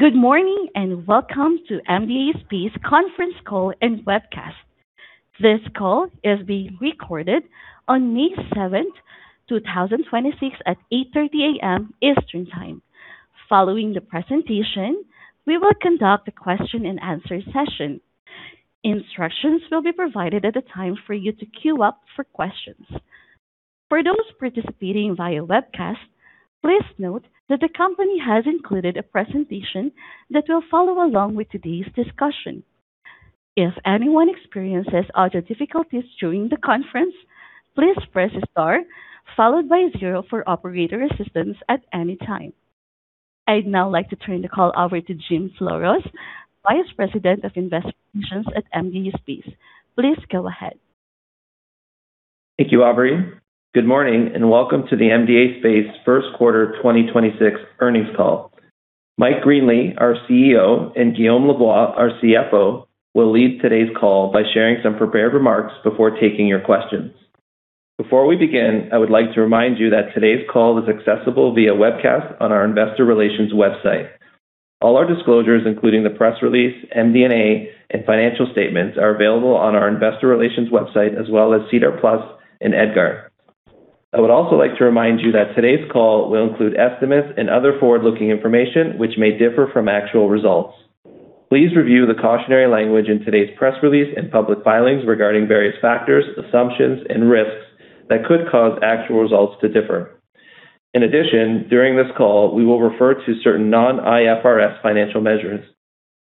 Good morning, and welcome to MDA Space conference call and webcast. This call is being recorded on May 7th, 2026, at 8:30 A.M. Eastern Time. Following the presentation, we will conduct a question and answer session. Instructions will be provided at the time for you to queue up for questions. For those participating via webcast, please note that the company has included a presentation that will follow along with today's discussion. If anyone experiences audio difficulties during the conference, please press star followed by zero for operator assistance at any time. I'd now like to turn the call over to Jim Floros, Vice President of Investments at MDA Space. Please go ahead. Thank you, Aubrey. Good morning, and welcome to the MDA Space Q1 2026 earnings call. Mike Greenley, our CEO, and Guillaume Lavoie, our CFO, will lead today's call by sharing some prepared remarks before taking your questions. Before we begin, I would like to remind you that today's call is accessible via webcast on our investor relations website. All our disclosures, including the press release, MD&A, and financial statements, are available on our investor relations website as well as SEDAR+ and EDGAR. I would also like to remind you that today's call will include estimates and other forward-looking information which may differ from actual results. Please review the cautionary language in today's press release and public filings regarding various factors, assumptions and risks that could cause actual results to differ. In addition, during this call, we will refer to certain non-IFRS financial measures.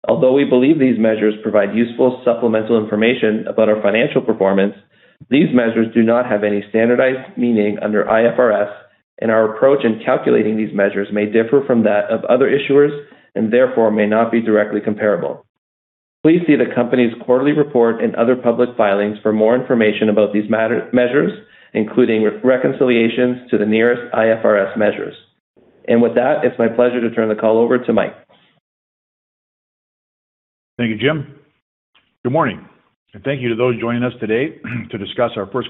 Although we believe these measures provide useful supplemental information about our financial performance, these measures do not have any standardized meaning under IFRS, and our approach in calculating these measures may differ from that of other issuers and therefore may not be directly comparable. Please see the company's quarterly report and other public filings for more information about these measures, including reconciliations to the nearest IFRS measures. With that, it's my pleasure to turn the call over to Mike. Thank you, Jim Floros. Good morning, and thank you to those joining us today to discuss our Q1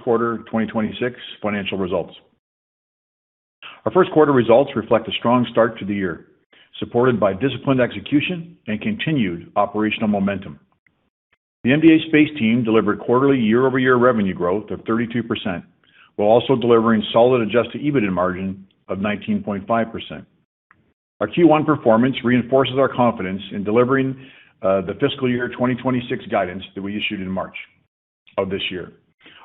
2026 financial results. Our Q1 results reflect a strong start to the year, supported by disciplined execution and continued operational momentum. The MDA Space team delivered quarterly year-over-year revenue growth of 32% while also delivering solid adjusted EBITDA margin of 19.5%. Our Q1 performance reinforces our confidence in delivering the fiscal year 2026 guidance that we issued in March of this year.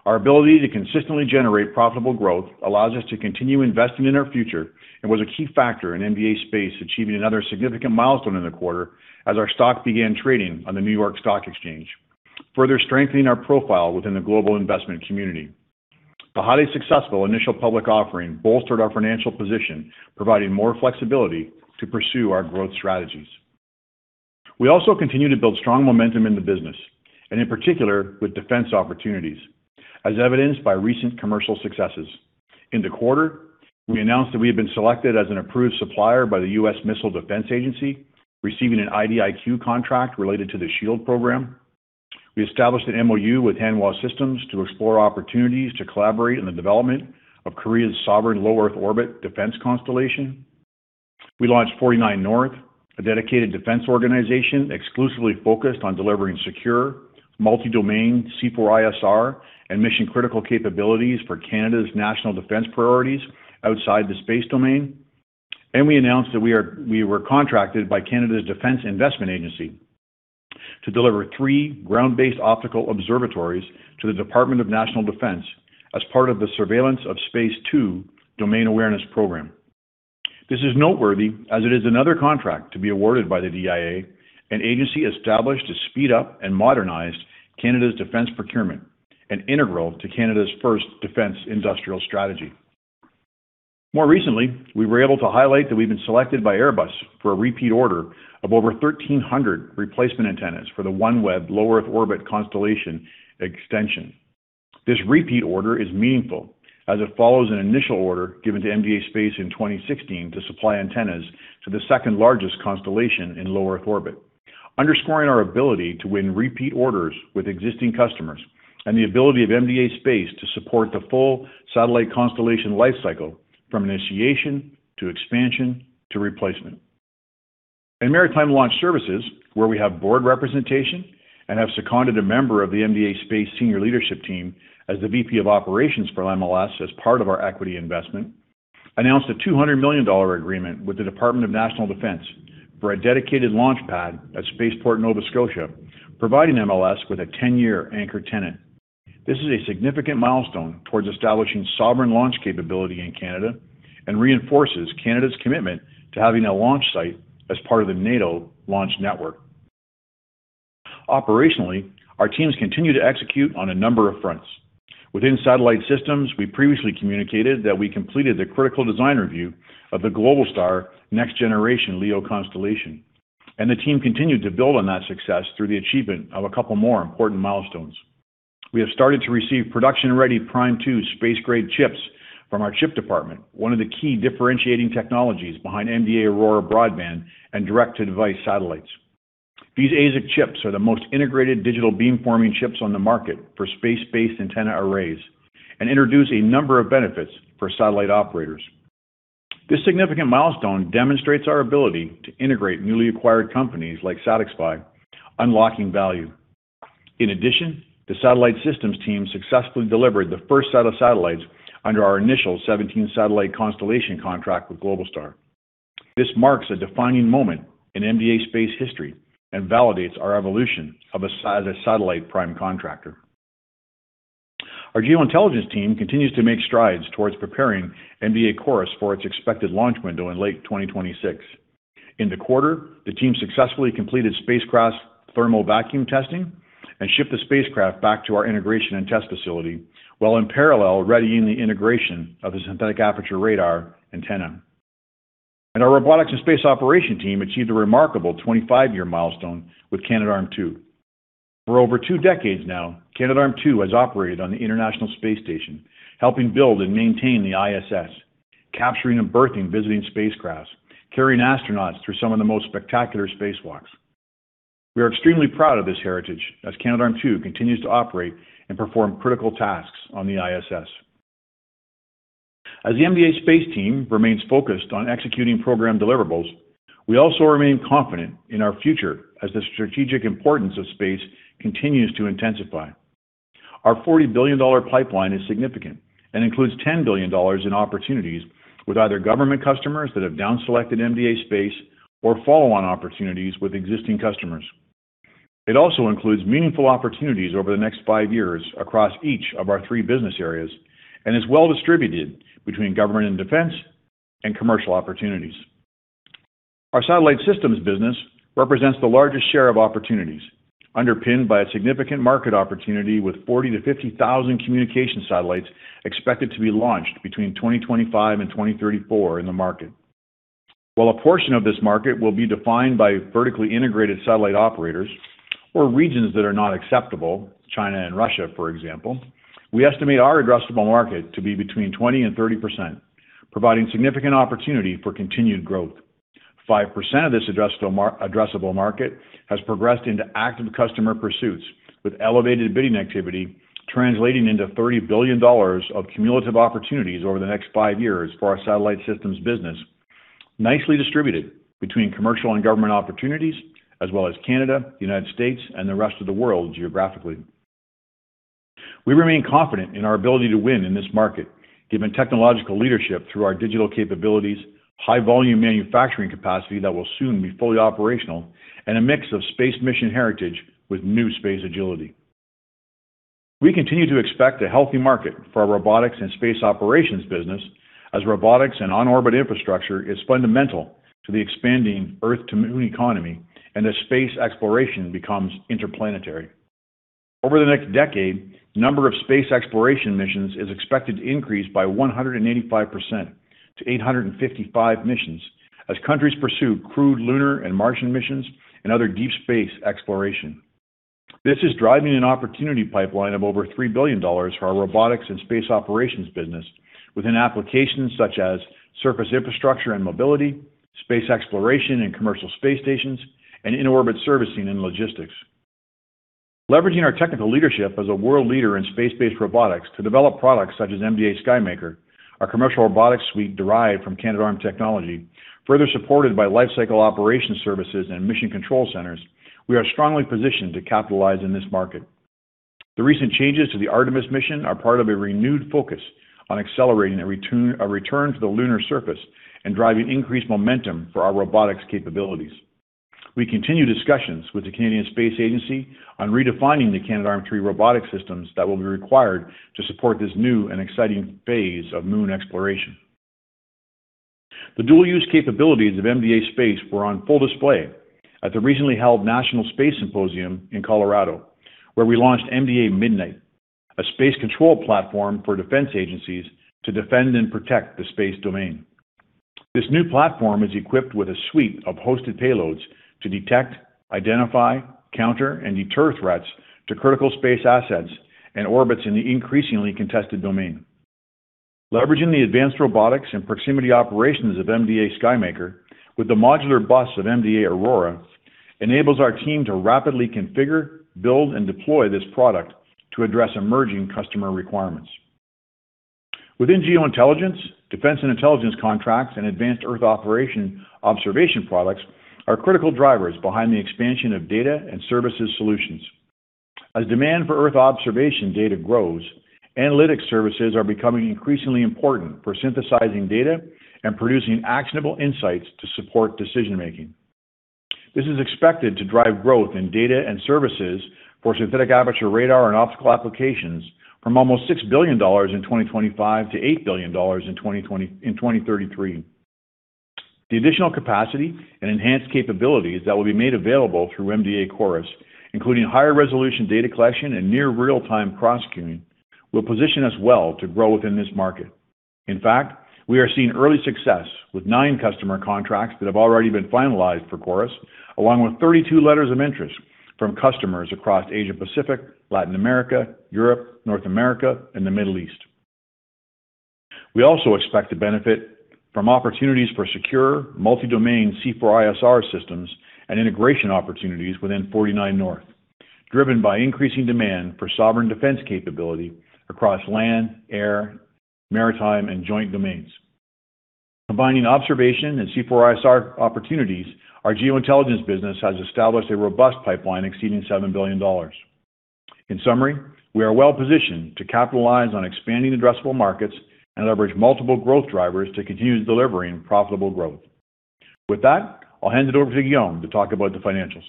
Our ability to consistently generate profitable growth allows us to continue investing in our future and was a key factor in MDA Space achieving another significant milestone in the quarter as our stock began trading on the New York Stock Exchange, further strengthening our profile within the global investment community. The highly successful initial public offering bolstered our financial position, providing more flexibility to pursue our growth strategies. We also continue to build strong momentum in the business and in particular with defense opportunities, as evidenced by recent commercial successes. In the quarter, we announced that we have been selected as an approved supplier by the U.S. Missile Defense Agency, receiving an IDIQ contract related to the SHIELD program. We established an MOU with Hanwha Systems to explore opportunities to collaborate in the development of Korea's sovereign low Earth orbit defense constellation. We launched 49 North, a dedicated defense organization exclusively focused on delivering secure multi-domain C4ISR and mission-critical capabilities for Canada's national defense priorities outside the space domain. We announced that we were contracted by Canada's Defence Investment Agency to deliver three ground-based optical observatories to the Department of National Defence as part of the Surveillance of Space 2 domain awareness program. This is noteworthy as it is another contract to be awarded by the DIA, an agency established to speed up and modernize Canada's defence procurement and integral to Canada's first defence industrial strategy. More recently, we were able to highlight that we've been selected by Airbus for a repeat order of over 1,300 replacement antennas for the OneWeb low Earth orbit constellation extension. This repeat order is meaningful as it follows an initial order given to MDA Space in 2016 to supply antennas to the second largest constellation in low Earth orbit, underscoring our ability to win repeat orders with existing customers and the ability of MDA Space to support the full satellite constellation lifecycle from initiation to expansion to replacement. In Maritime Launch Services, where we have board representation and have seconded a member of the MDA Space senior leadership team as the VP of operations for MLS as part of our equity investment, announced a 200 million dollar agreement with the Department of National Defence for a dedicated launchpad at Spaceport Nova Scotia, providing MLS with a 10-year anchor tenant. This is a significant milestone towards establishing sovereign launch capability in Canada and reinforces Canada's commitment to having a launch site as part of the NATO launch network. Operationally, our teams continue to execute on a number of fronts. Within satellite systems, we previously communicated that we completed the critical design review of the Globalstar next generation LEO constellation, and the team continued to build on that success through the achievement of a couple more important milestones. We have started to receive production-ready Prime 2 space-grade chips from our chip department, one of the key differentiating technologies behind MDA AURORA Broadband and direct-to-device satellites. These ASIC chips are the most integrated digital beamforming chips on the market for space-based antenna arrays and introduce a number of benefits for satellite operators. This significant milestone demonstrates our ability to integrate newly acquired companies like SatixFy, unlocking value. In addition, the satellite systems team successfully delivered the first set of satellites under our initial 17 satellite constellation contract with Globalstar. This marks a defining moment in MDA Space history and validates our evolution as a satellite prime contractor. Our Geo Intelligence team continues to make strides towards preparing MDA CHORUS for its expected launch window in late 2026. In the quarter, the team successfully completed spacecraft thermal vacuum testing and shipped the spacecraft back to our integration and test facility, while in parallel readying the integration of the synthetic aperture radar antenna. Our robotics and space operation team achieved a remarkable 25-year milestone with Canadarm2. For over two decades now, Canadarm2 has operated on the International Space Station, helping build and maintain the ISS, capturing and berthing visiting spacecraft, carrying astronauts through some of the most spectacular spacewalks. We are extremely proud of this heritage as Canadarm2 continues to operate and perform critical tasks on the ISS. As the MDA Space team remains focused on executing program deliverables, we also remain confident in our future as the strategic importance of space continues to intensify. Our 40 billion dollar pipeline is significant and includes 10 billion dollars in opportunities with either government customers that have downselected MDA Space or follow on opportunities with existing customers. It also includes meaningful opportunities over the next five years across each of our three business areas and is well-distributed between government and defense and commercial opportunities. Our satellite systems business represents the largest share of opportunities, underpinned by a significant market opportunity with 40,000-50,000 communication satellites expected to be launched between 2025 and 2034 in the market. While a portion of this market will be defined by vertically integrated satellite operators or regions that are not acceptable, China and Russia, for example, we estimate our addressable market to be between 20% and 30%, providing significant opportunity for continued growth. 5% of this addressable market has progressed into active customer pursuits with elevated bidding activity translating into 30 billion dollars of cumulative opportunities over the next five years for our satellite systems business, nicely distributed between commercial and government opportunities, as well as Canada, U.S., and the rest of the world geographically. We remain confident in our ability to win in this market given technological leadership through our digital capabilities, high volume manufacturing capacity that will soon be fully operational, and a mix of space mission heritage with new space agility. We continue to expect a healthy market for our robotics and space operations business as robotics and on-orbit infrastructure is fundamental to the expanding Earth to Moon economy and as space exploration becomes interplanetary. Over the next decade, the number of space exploration missions is expected to increase by 185% to 855 missions as countries pursue crewed lunar and Martian missions and other deep space exploration. This is driving an opportunity pipeline of over 3 billion dollars for our robotics and space operations business within applications such as surface infrastructure and mobility, space exploration and commercial space stations, and in-orbit servicing and logistics. Leveraging our technical leadership as a world leader in space-based robotics to develop products such as MDA SKYMAKER, our commercial robotics suite derived from Canadarm technology, further supported by lifecycle operations services and mission control centers, we are strongly positioned to capitalize in this market. The recent changes to the Artemis mission are part of a renewed focus on accelerating a return to the lunar surface and driving increased momentum for our robotics capabilities. We continue discussions with the Canadian Space Agency on redefining the Canadarm3 robotic systems that will be required to support this new and exciting phase of Moon exploration. The dual use capabilities of MDA Space were on full display at the recently held National Space Symposium in Colorado, where we launched MDA MIDNIGHT, a space control platform for defense agencies to defend and protect the space domain. This new platform is equipped with a suite of hosted payloads to detect, identify, counter, and deter threats to critical space assets and orbits in the increasingly contested domain. Leveraging the advanced robotics and proximity operations of MDA SKYMAKER with the modular bus of MDA AURORA enables our team to rapidly configure, build, and deploy this product to address emerging customer requirements. Within Geointelligence, defense and intelligence contracts and advanced Earth operation observation products are critical drivers behind the expansion of data and services solutions. As demand for Earth observation data grows, analytics services are becoming increasingly important for synthesizing data and producing actionable insights to support decision-making. This is expected to drive growth in data and services for synthetic aperture radar and optical applications from almost 6 billion dollars in 2025 to 8 billion dollars in 2033. The additional capacity and enhanced capabilities that will be made available through MDA CHORUS, including higher resolution data collection and near real-time processing, will position us well to grow within this market. In fact, we are seeing early success with nine customer contracts that have already been finalized for CHORUS, along with 32 letters of interest from customers across Asia-Pacific, Latin America, Europe, North America, and the Middle East. We also expect to benefit from opportunities for secure multi-domain C4ISR systems and integration opportunities within 49 North, driven by increasing demand for sovereign defense capability across land, air, maritime, and joint domains. Combining observation and C4ISR opportunities, our geointelligence business has established a robust pipeline exceeding 7 billion dollars. In summary, we are well-positioned to capitalize on expanding addressable markets and leverage multiple growth drivers to continue delivering profitable growth. With that, I'll hand it over to Guillaume to talk about the financials.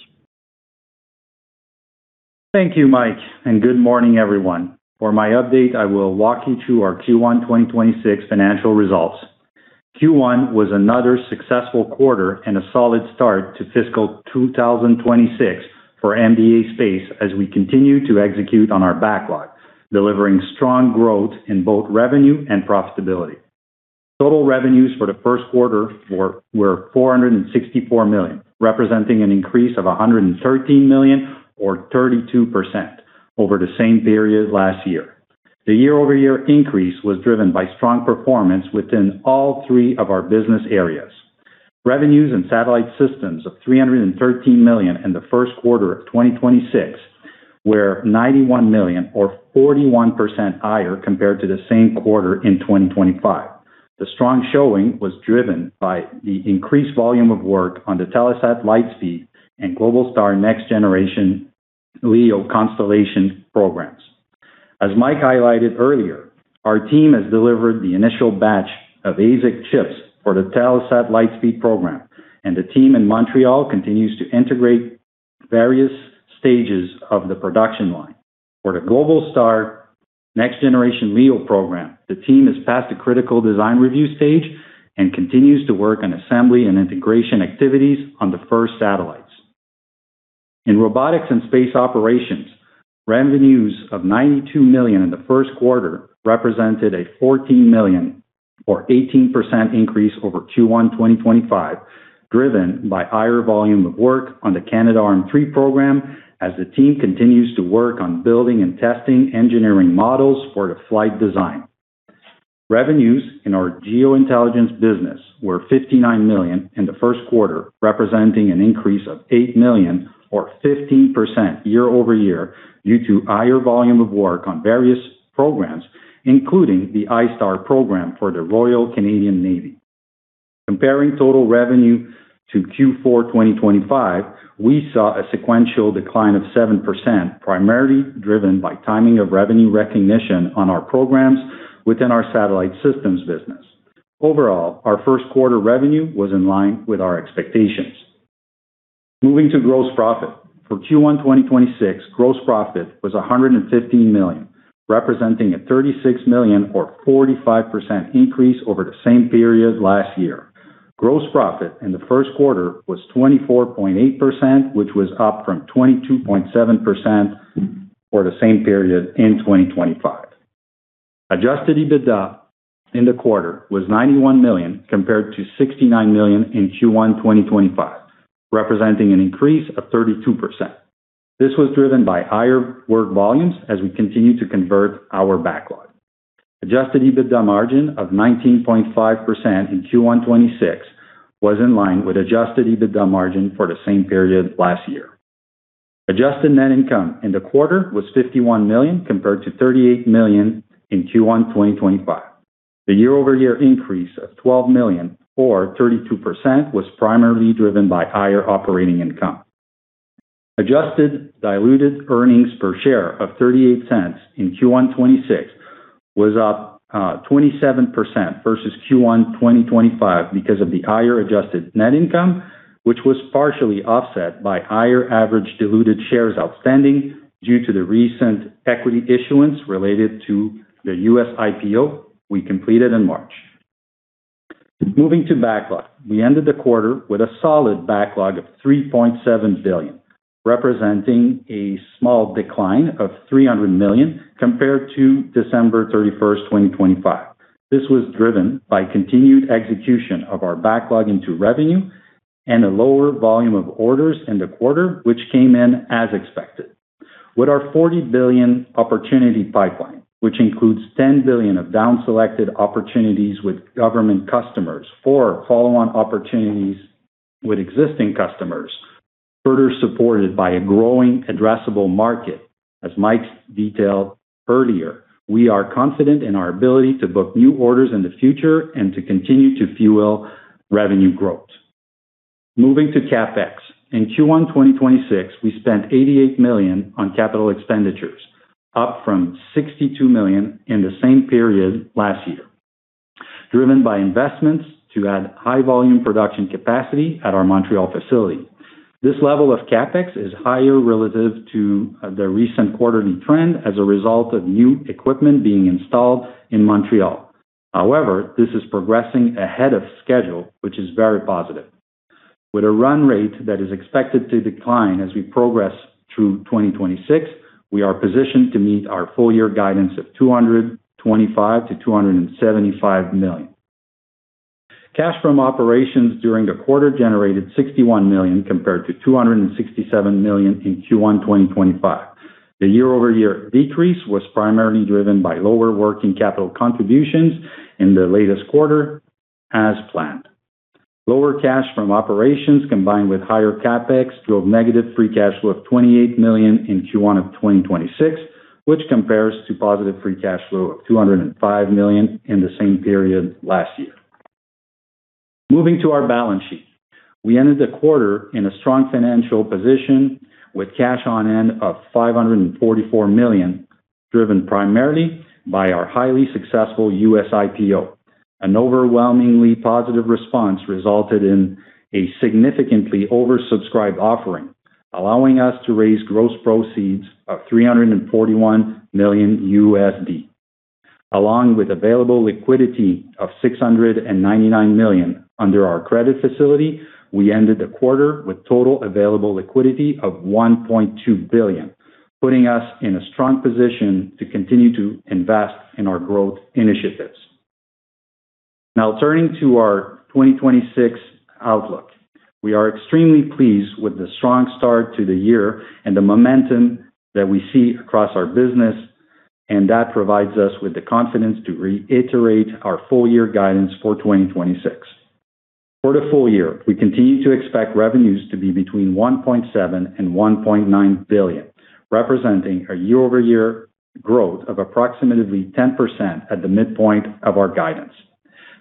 Thank you, Mike. Good morning, everyone. For my update, I will walk you through our Q1 2026 financial results. Q1 was another successful quarter and a solid start to fiscal 2026 for MDA Space as we continue to execute on our backlog, delivering strong growth in both revenue and profitability. Total revenues for the Q1 were 464 million, representing an increase of 113 million or 32% over the same period last year. The year-over-year increase was driven by strong performance within all three of our business areas. Revenues and satellite systems of 313 million in the Q1 of 2026 were 91 million or 41% higher compared to the same quarter in 2025. The strong showing was driven by the increased volume of work on the Telesat Lightspeed and Globalstar next generation LEO constellation programs. As Mike highlighted earlier, our team has delivered the initial batch of ASIC chips for the Telesat Lightspeed program, and the team in Montreal continues to integrate various stages of the production line. For the Globalstar Next Generation LEO program, the team has passed the critical design review stage and continues to work on assembly and integration activities on the 1st satellites. In robotics and space operations, revenues of 92 million in the Q1 represented a 14 million or 18% increase over Q1 2025, driven by higher volume of work on the Canadarm3 program as the team continues to work on building and testing engineering models for the flight design. Revenues in our Geointelligence business were 59 million in the Q1, representing an increase of 8 million or 15% year-over-year due to higher volume of work on various programs, including the ISTAR program for the Royal Canadian Navy. Comparing total revenue to Q4 2025, we saw a sequential decline of 7%, primarily driven by timing of revenue recognition on our programs within our satellite systems business. Overall, our Q1 revenue was in line with our expectations. Moving to gross profit. For Q1 2026, gross profit was CAD 115 million, representing a CAD 36 million or 45% increase over the same period last year. Gross profit in the Q1 was 24.8%, which was up from 22.7% for the same period in 2025. Adjusted EBITDA in the quarter was 91 million compared to 69 million in Q1 2025, representing an increase of 32%. This was driven by higher work volumes as we continue to convert our backlog. Adjusted EBITDA margin of 19.5% in Q1 2026 was in line with adjusted EBITDA margin for the same period last year. Adjusted net income in the quarter was 51 million compared to 38 million in Q1 2025. The year-over-year increase of 12 million or 32% was primarily driven by higher operating income. Adjusted diluted earnings per share of 0.38 in Q1 2026 was up 27% versus Q1 2025 because of the higher adjusted net income, which was partially offset by higher average diluted shares outstanding due to the recent equity issuance related to the U.S. IPO we completed in March. Moving to backlog. We ended the quarter with a solid backlog of 3.7 billion, representing a small decline of 300 million compared to December 31st, 2025. This was driven by continued execution of our backlog into revenue and a lower volume of orders in the quarter, which came in as expected. With our 40 billion opportunity pipeline, which includes 10 billion of down-selected opportunities with government customers for follow-on opportunities with existing customers, further supported by a growing addressable market, as Mike detailed earlier, we are confident in our ability to book new orders in the future and to continue to fuel revenue growth. Moving to CapEx. In Q1 2026, we spent 88 million on capital expenditures, up from 62 million in the same period last year, driven by investments to add high volume production capacity at our Montreal facility. This level of CapEx is higher relative to the recent quarterly trend as a result of new equipment being installed in Montreal. However, this is progressing ahead of schedule, which is very positive. With a run rate that is expected to decline as we progress through 2026, we are positioned to meet our full year guidance of 225 million-275 million. Cash from operations during the quarter generated 61 million compared to 267 million in Q1 2025. The year-over-year decrease was primarily driven by lower working capital contributions in the latest quarter as planned. Lower cash from operations combined with higher CapEx drove negative free cash flow of 28 million in Q1 2026, which compares to positive free cash flow of 205 million in the same period last year. Moving to our balance sheet. We ended the quarter in a strong financial position with cash on hand of 544 million, driven primarily by our highly successful U.S. IPO. An overwhelmingly positive response resulted in a significantly oversubscribed offering, allowing us to raise gross proceeds of $341 million USD. Along with available liquidity of 699 million under our credit facility, we ended the quarter with total available liquidity of 1.2 billion, putting us in a strong position to continue to invest in our growth initiatives. Turning to our 2026 outlook. We are extremely pleased with the strong start to the year and the momentum that we see across our business. That provides us with the confidence to reiterate our full year guidance for 2026. For the full year, we continue to expect revenues to be between 1.7 billion and 1.9 billion, representing a year-over-year growth of approximately 10% at the midpoint of our guidance.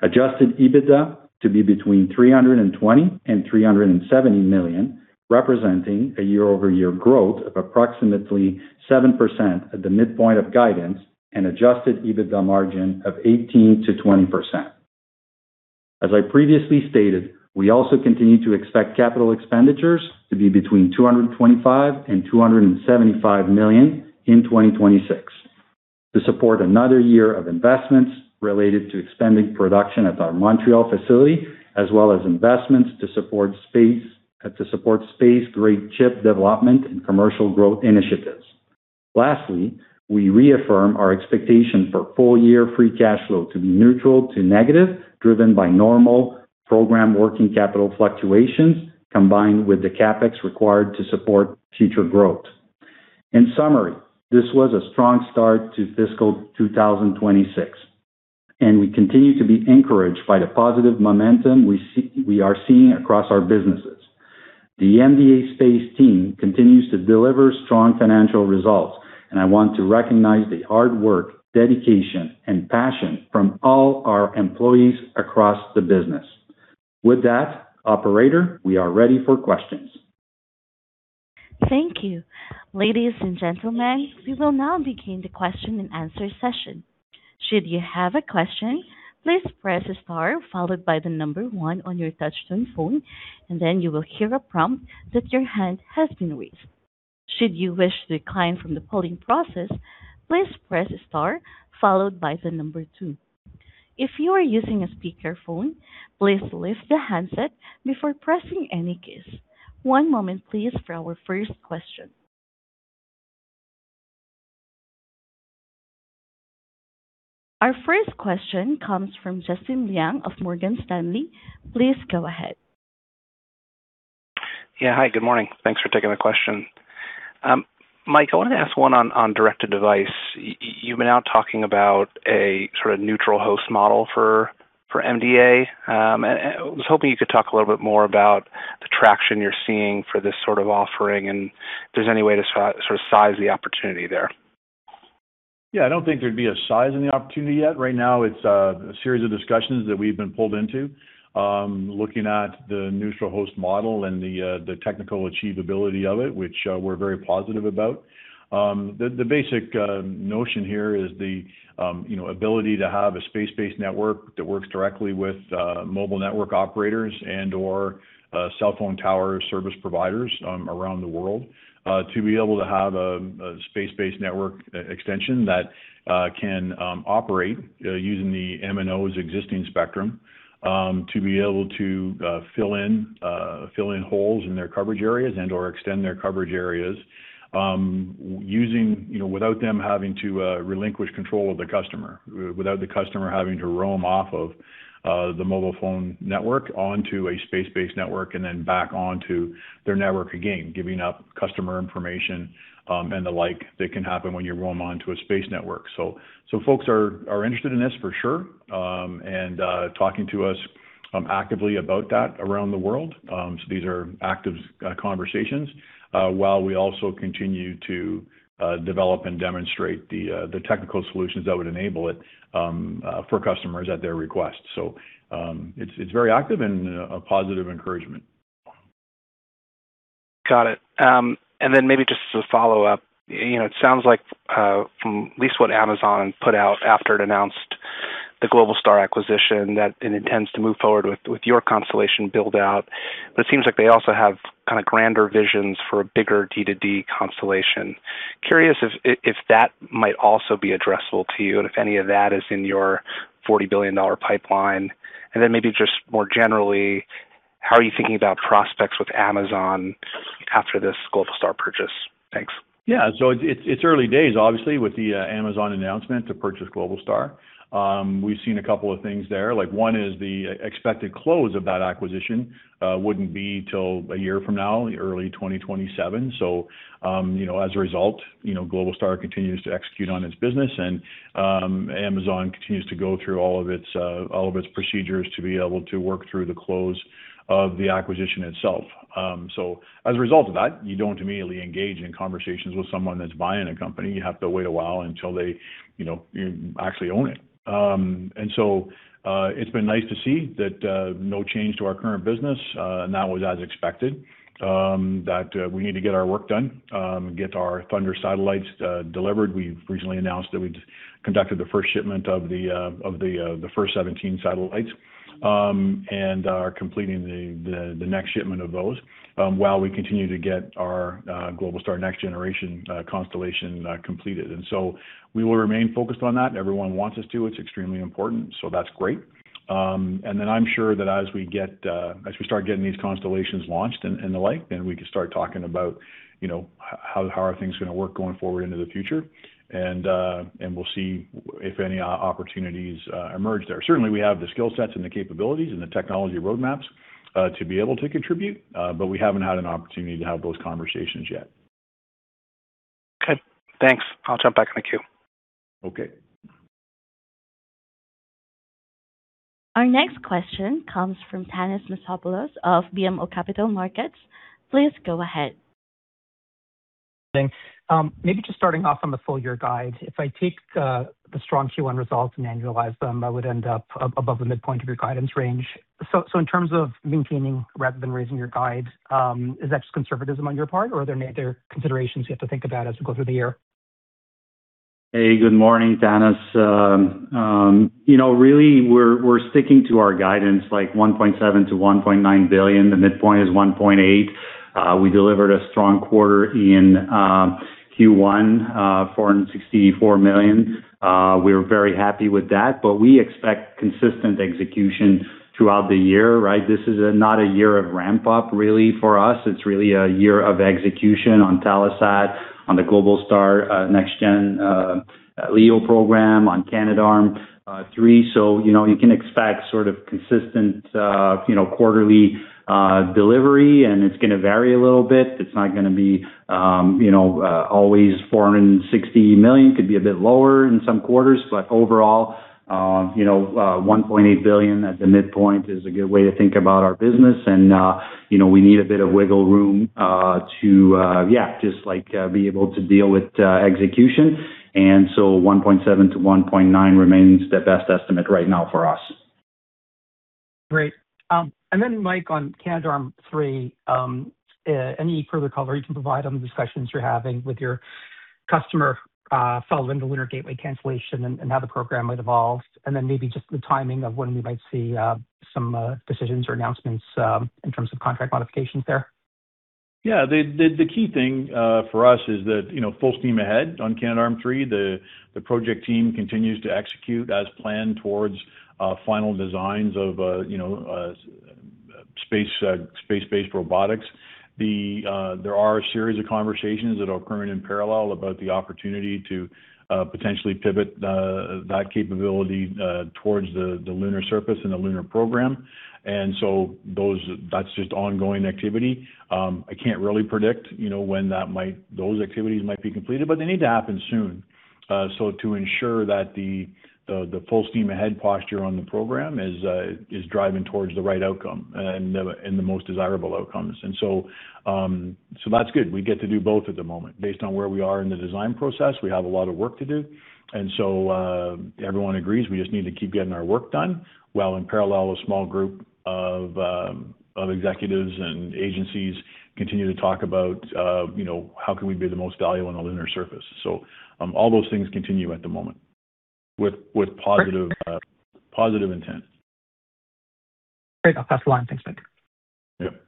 Adjusted EBITDA to be between 320 million and 370 million, representing a year-over-year growth of approximately 7% at the midpoint of guidance and adjusted EBITDA margin of 18%-20%. As I previously stated, we also continue to expect capital expenditures to be between 225 million and 275 million in 2026 to support another year of investments related to expanding production at our Montreal facility, as well as investments to support space grade chip development and commercial growth initiatives. Lastly, we reaffirm our expectation for full year free cash flow to be neutral to negative, driven by normal program working capital fluctuations, combined with the CapEx required to support future growth. In summary, this was a strong start to fiscal 2026, and we continue to be encouraged by the positive momentum we are seeing across our businesses. The MDA Space team continues to deliver strong financial results, and I want to recognize the hard work, dedication, and passion from all our employees across the business. With that, operator, we are ready for questions. Thank you. Ladies and gentlemen, we will now begin the question and answer session. Should you have a question, please press star followed by the one on your touchtone phone, and then you will hear a prompt that your hand has been raised. Should you wish to decline from the polling process, please press star followed by the two. If you are using a speakerphone, please lift the handset before pressing any keys. One moment please for our first question. Our first question comes from Justin Lang of Morgan Stanley. Please go ahead. Yeah. Hi, good morning. Thanks for taking the question. Mike, I wanted to ask one on direct-to-device. You've been now talking about a sort of neutral host model for MDA. I was hoping you could talk a little bit more about the traction you're seeing for this sort of offering and if there's any way to sort of size the opportunity there? Yeah. I don't think there'd be a size in the opportunity yet. Right now, it's a series of discussions that we've been pulled into, looking at the neutral host model and the technical achievability of it, which we're very positive about. The basic notion here is the, you know, ability to have a space-based network that works directly with mobile network operators and/or cell phone tower service providers around the world. To be able to have a space-based network e-extension that can operate using the MNO's existing spectrum, to be able to fill in holes in their coverage areas and/or extend their coverage areas, using, you know, without them having to relinquish control of the customer, without the customer having to roam off of the mobile phone network onto a space-based network and then back onto their network again, giving up customer information, and the like that can happen when you roam onto a space network. Folks are interested in this for sure, and talking to us actively about that around the world. These are active conversations while we also continue to develop and demonstrate the technical solutions that would enable it for customers at their request. It's very active and a positive encouragement. Got it. Maybe just as a follow-up. You know, it sounds like from at least what Amazon put out after it announced the Globalstar acquisition that it intends to move forward with your constellation build-out. It seems like they also have kind of grander visions for a bigger D2D constellation. Curious if that might also be addressable to you, and if any of that is in your 40 billion dollar pipeline. Maybe just more generally, how are you thinking about prospects with Amazon after this Globalstar purchase? Thanks. It's early days, obviously, with the Amazon announcement to purchase Globalstar. We've seen a couple of things there, like, one is the expected close of that acquisition wouldn't be till a year from now, early 2027. You know, as a result, you know, Globalstar continues to execute on its business, and Amazon continues to go through all of its procedures to be able to work through the close of the acquisition itself. As a result of that, you don't immediately engage in conversations with someone that's buying a company. You have to wait a while until they, you know, actually own it. It's been nice to see that no change to our current business, and that was as expected. That we need to get our work done, get our Thunder satellites delivered. We've recently announced that we'd conducted the first shipment of the 17 satellites, and are completing the next shipment of those, while we continue to get our Globalstar next generation constellation completed. We will remain focused on that. Everyone wants us to. It's extremely important, so that's great. Then I'm sure that as we get, as we start getting these constellations launched and the like, then we can start talking about, you know, how are things gonna work going forward into the future. We'll see if any opportunities emerge there. Certainly, we have the skill sets and the capabilities and the technology roadmaps to be able to contribute, but we haven't had an opportunity to have those conversations yet. Okay, thanks. I'll jump back in the queue. Okay. Our next question comes from Thanos Moschopoulos of BMO Capital Markets. Please go ahead. Maybe just starting off on the full-year guide. If I take the strong Q1 results and annualize them, I would end up above the midpoint of your guidance range. In terms of maintaining rather than raising your guide, is that just conservatism on your part, or are there considerations you have to think about as we go through the year? Hey, good morning, Thanos. you know, really, we're sticking to our guidance, like, 1.7 billion-1.9 billion. The midpoint is 1.8 billion. We delivered a strong quarter in Q1, 464 million. We're very happy with that, but we expect consistent execution throughout the year, right? This is not a year of ramp up really for us. It's really a year of execution on Telesat, on the Globalstar next-gen LEO program, on Canadarm3. you know, you can expect sort of consistent, you know, quarterly delivery, and it's gonna vary a little bit. It's not gonna be, you know, always 460 million. Could be a bit lower in some quarters. Overall, you know, 1.8 billion at the midpoint is a good way to think about our business and, you know, we need a bit of wiggle room to just, like, be able to deal with execution. So 1.7 billion-1.9 billion remains the best estimate right now for us. Great. Mike, on Canadarm3, any further color you can provide on the discussions you're having with your customer, following the Lunar Gateway cancellation and how the program might evolve? Maybe just the timing of when we might see some decisions or announcements in terms of contract modifications there. The key thing for us is that, you know, full steam ahead on Canadarm3. The project team continues to execute as planned towards final designs of, you know, space-based robotics. There are a series of conversations that are occurring in parallel about the opportunity to potentially pivot that capability towards the lunar surface and the lunar program. That's just ongoing activity. I can't really predict, you know, when those activities might be completed, but they need to happen soon so to ensure that the full steam ahead posture on the program is driving towards the right outcome and the most desirable outcomes. That's good. We get to do both at the moment. Based on where we are in the design process, we have a lot of work to do. Everyone agrees we just need to keep getting our work done, while in parallel, a small group of executives and agencies continue to talk about, you know, how can we be the most value on the lunar surface. All those things continue at the moment. Great Positive intent. Great. I'll pass along. Thanks, Mike. Yep.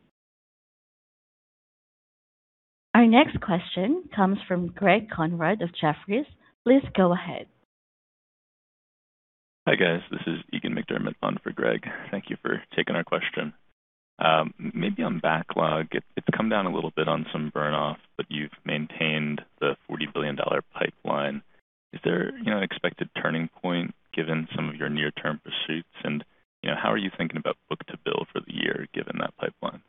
Our next question comes from Greg Konrad of Jefferies. Please go ahead. Hi, guys. This is Egan McDermott on for Greg. Thank you for taking our question. Maybe on backlog. It's come down a little bit on some burn-off, but you've maintained the 40 billion dollar pipeline. Is there, you know, an expected turning point given some of your near-term pursuits? How are you thinking about book-to-bill for the year given that pipeline?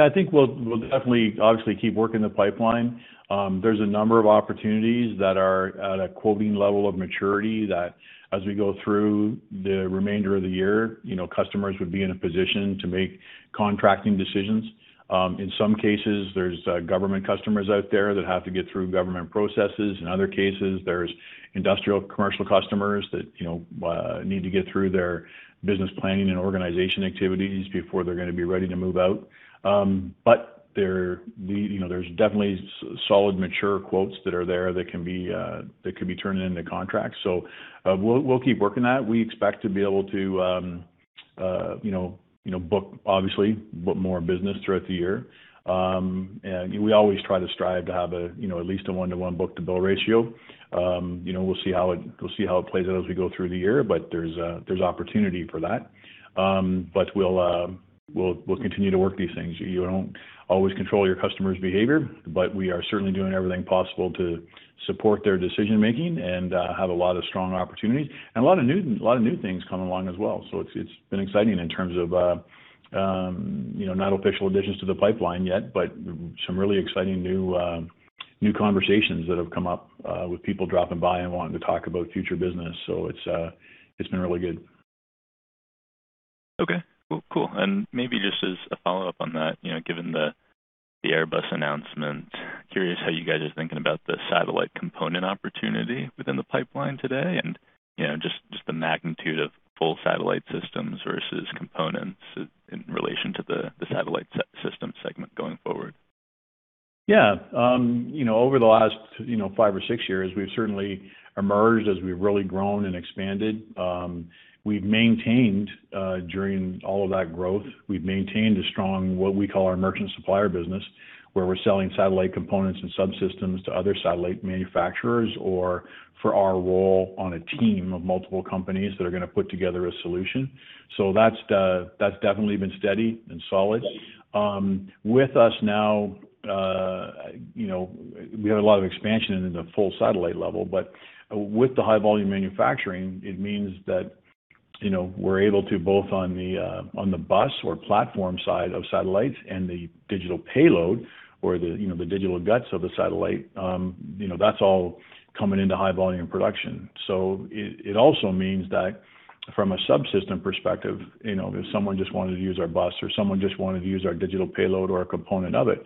I think we'll definitely obviously keep working the pipeline. There's a number of opportunities that are at a quoting level of maturity that as we go through the remainder of the year, you know, customers would be in a position to make contracting decisions. In some cases, there's government customers out there that have to get through government processes. In other cases, there's industrial commercial customers that, you know, need to get through their business planning and organization activities before they're gonna be ready to move out. There, you know, there's definitely solid, mature quotes that are there that can be turned into contracts. We'll keep working that. We expect to be able to, you know, book obviously, book more business throughout the year. And we always try to strive to have a, you know, at least a one-to-one book-to-bill ratio. You know, we'll see how it plays out as we go through the year, but there's opportunity for that. But we'll continue to work these things. You don't always control your customer's behavior, but we are certainly doing everything possible to support their decision-making and have a lot of strong opportunities. A lot of new things coming along as well. It's been exciting in terms of, you know, not official additions to the pipeline yet, but some really exciting new conversations that have come up with people dropping by and wanting to talk about future business. It's been really good. Okay. Well, cool. Maybe just as a follow-up on that, you know, given the Airbus announcement, curious how you guys are thinking about the satellite component opportunity within the pipeline today and, you know, just the magnitude of full satellite systems versus components in relation to the satellite system segment going forward. Yeah. You know, over the last, you know, five or six years, we've certainly emerged as we've really grown and expanded. We've maintained, during all of that growth, we've maintained a strong, what we call our merchant supplier business, where we're selling satellite components and subsystems to other satellite manufacturers, or for our role on a team of multiple companies that are gonna put together a solution. That's, that's definitely been steady and solid. With us now, you know, we have a lot of expansion in the full satellite level, but with the high-volume manufacturing, it means that, you know, we're able to, both on the, on the bus or platform side of satellites and the digital payload or the, you know, the digital guts of the satellite, you know, that's all coming into high-volume production. It also means that from a subsystem perspective, you know, if someone just wanted to use our bus or someone just wanted to use our digital payload or a component of it,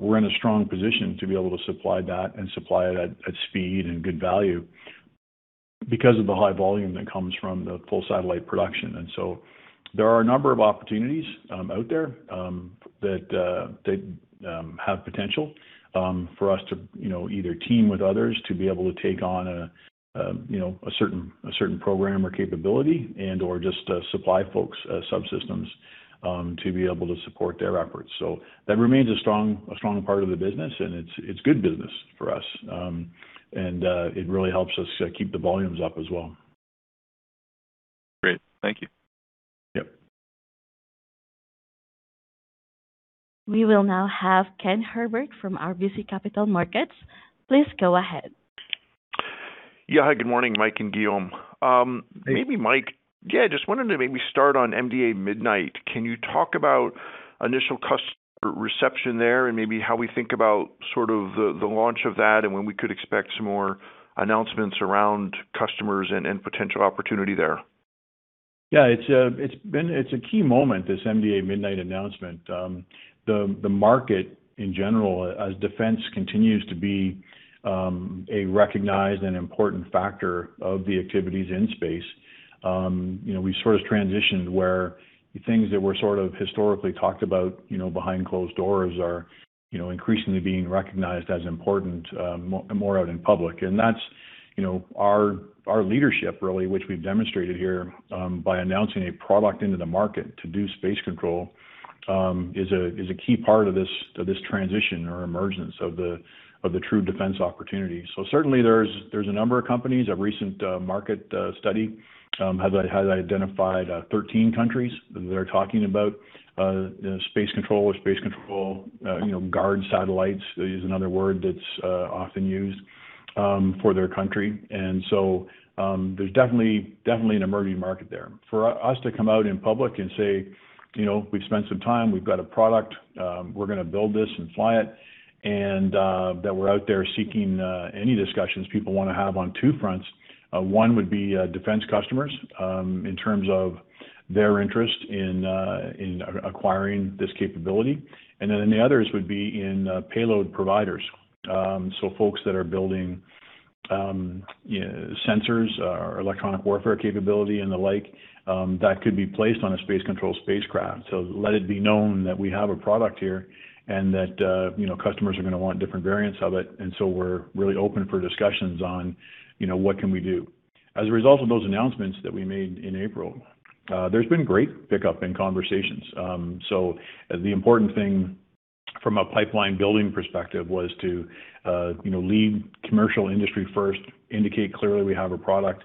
we're in a strong position to be able to supply that and supply it at speed and good value because of the high volume that comes from the full satellite production. There are a number of opportunities out there that have potential for us to, you know, either team with others to be able to take on a, you know, a certain program or capability and/or just supply folks subsystems to be able to support their efforts. That remains a strong part of the business, and it's good business for us. It really helps us keep the volumes up as well. Great. Thank you. Yep. We will now have Ken Herbert from RBC Capital Markets. Please go ahead. Yeah. Hi, good morning, Mike and Guillaume. Hey Maybe Mike, yeah, just wanted to maybe start on MDA MIDNIGHT. Can you talk about initial customer reception there and maybe how we think about sort of the launch of that and when we could expect some more announcements around customers and potential opportunity there? It's a key moment, this MDA Midnight announcement. The market in general, as defense continues to be a recognized and important factor of the activities in space, you know, we sort of transitioned where things that were sort of historically talked about, you know, behind closed doors are, you know, increasingly being recognized as important more out in public. That's, you know, our leadership really, which we've demonstrated here by announcing a product into the market to do space control is a key part of this, of this transition or emergence of the true defense opportunity. Certainly there's a number of companies. A recent market study has identified 13 countries that are talking about, you know, space control or space control, you know, guard satellites, is another word that's often used for their country. There's definitely an emerging market there. For us to come out in public and say, you know, we've spent some time, we've got a product, we're gonna build this and fly it, and that we're out there seeking any discussions people wanna have on two fronts. One would be defense customers in terms of their interest in acquiring this capability. Then the others would be in payload providers. Folks that are building sensors or electronic warfare capability and the like, that could be placed on a space control spacecraft. Let it be known that we have a product here and that, you know, customers are gonna want different variants of it, and so we're really open for discussions on, you know, what can we do. As a result of those announcements that we made in April, there's been great pickup in conversations. The important thing from a pipeline building perspective was to, you know, lead commercial industry first, indicate clearly we have a product,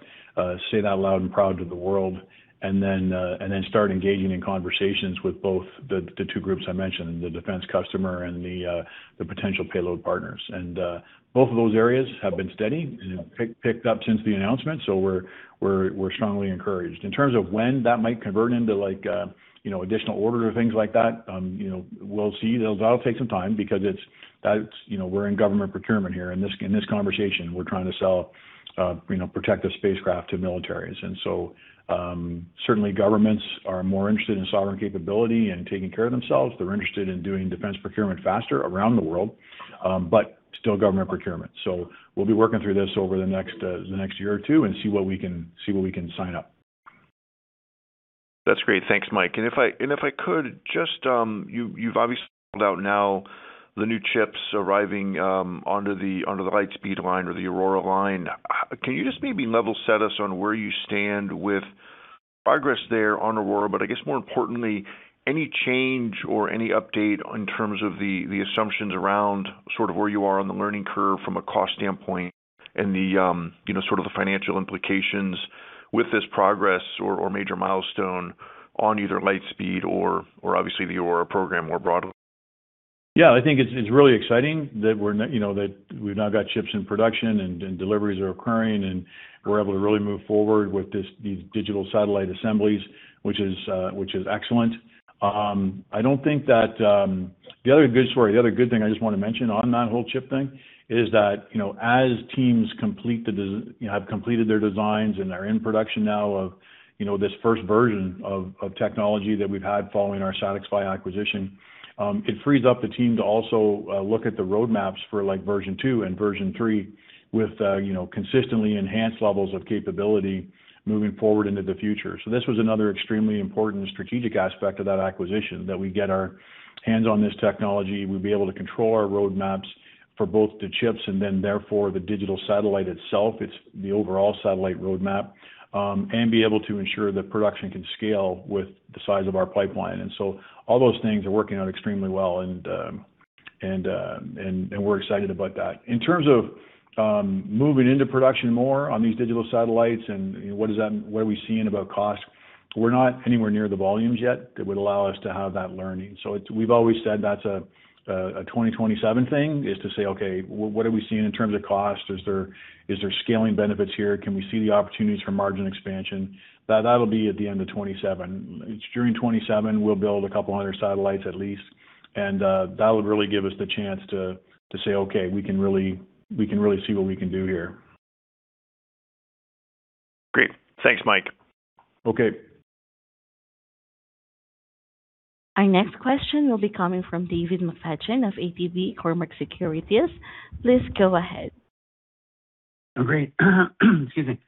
say that loud and proud to the world, and then start engaging in conversations with both the two groups I mentioned, the defense customer and the potential payload partners. Both of those areas have been steady and have picked up since the announcement, we're strongly encouraged. In terms of when that might convert into like, you know, additional order or things like that, you know, we'll see. That'll, that'll take some time because that's, you know, we're in government procurement here. In this, in this conversation, we're trying to sell, you know, protective spacecraft to militaries. Certainly governments are more interested in sovereign capability and taking care of themselves. They're interested in doing defense procurement faster around the world, but still government procurement. We'll be working through this over the next, the next year or two and see what we can, see what we can sign up. That's great. Thanks, Mike. If I could just, you've obviously rolled out now the new chips arriving onto the Lightspeed line or the MDA AURORA line. Can you just maybe level set us on where you stand with progress there on MDA AURORA, but I guess more importantly, any change or any update in terms of the assumptions around sort of where you are on the learning curve from a cost standpoint and, you know, sort of the financial implications with this progress or major milestone on either Lightspeed or obviously the MDA AURORA program more broadly? Yeah, I think it's really exciting that we're, you know, that we've now got chips in production and deliveries are occurring, and we're able to really move forward with this, these digital satellite assemblies, which is excellent. The other good story, the other good thing I just wanna mention on that whole chip thing is that, you know, as teams complete, you know, have completed their designs and are in production now of, you know, this first version of technology that we've had following our SatixFy acquisition, it frees up the team to also look at the roadmaps for, like, version two and version three with, you know, consistently enhanced levels of capability moving forward into the future. This was another extremely important strategic aspect of that acquisition, that we get our hands on this technology, we'll be able to control our roadmaps for both the chips and then therefore the digital satellite itself. It's the overall satellite roadmap, and be able to ensure that production can scale with the size of our pipeline. All those things are working out extremely well and we're excited about that. In terms of moving into production more on these digital satellites and, you know, what are we seeing about cost? We're not anywhere near the volumes yet that would allow us to have that learning. It's we've always said that's a 2027 thing, is to say, "Okay, what are we seeing in terms of cost?" Is there scaling benefits here? Can we see the opportunities for margin expansion? That'll be at the end of 27. It's during 27 we'll build a couple other satellites at least, and that would really give us the chance to say, "Okay, we can really see what we can do here. Great. Thanks, Mike. Okay. Our next question will be coming from David Maffei of ATB Capital Markets. Please go ahead. Oh, great. Excuse me.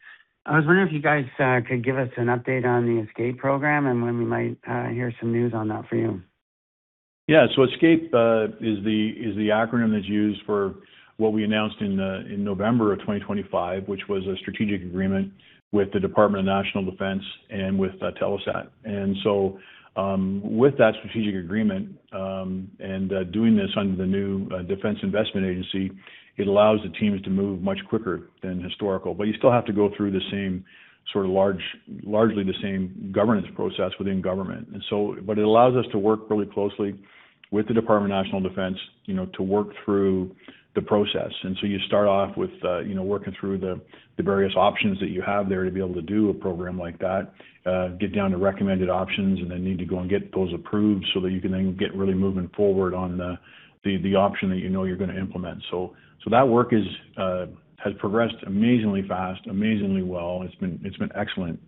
I was wondering if you guys could give us an update on the ESCAPE program and when we might hear some news on that for you? Yeah. ESCAPE is the acronym that's used for what we announced in November of 2025, which was a strategic agreement with the Department of National Defence and with Telesat. With that strategic agreement, doing this under the new Defence Investment Agency, it allows the teams to move much quicker than historical. You still have to go through the same sort of largely the same governance process within government. It allows us to work really closely with the Department of National Defence, you know, to work through the process. You start off with, you know, working through the various options that you have there to be able to do a program like that, get down to recommended options, and then need to go and get those approved so that you can then get really moving forward on the option that you know you're gonna implement. That work is has progressed amazingly fast, amazingly well. It's been excellent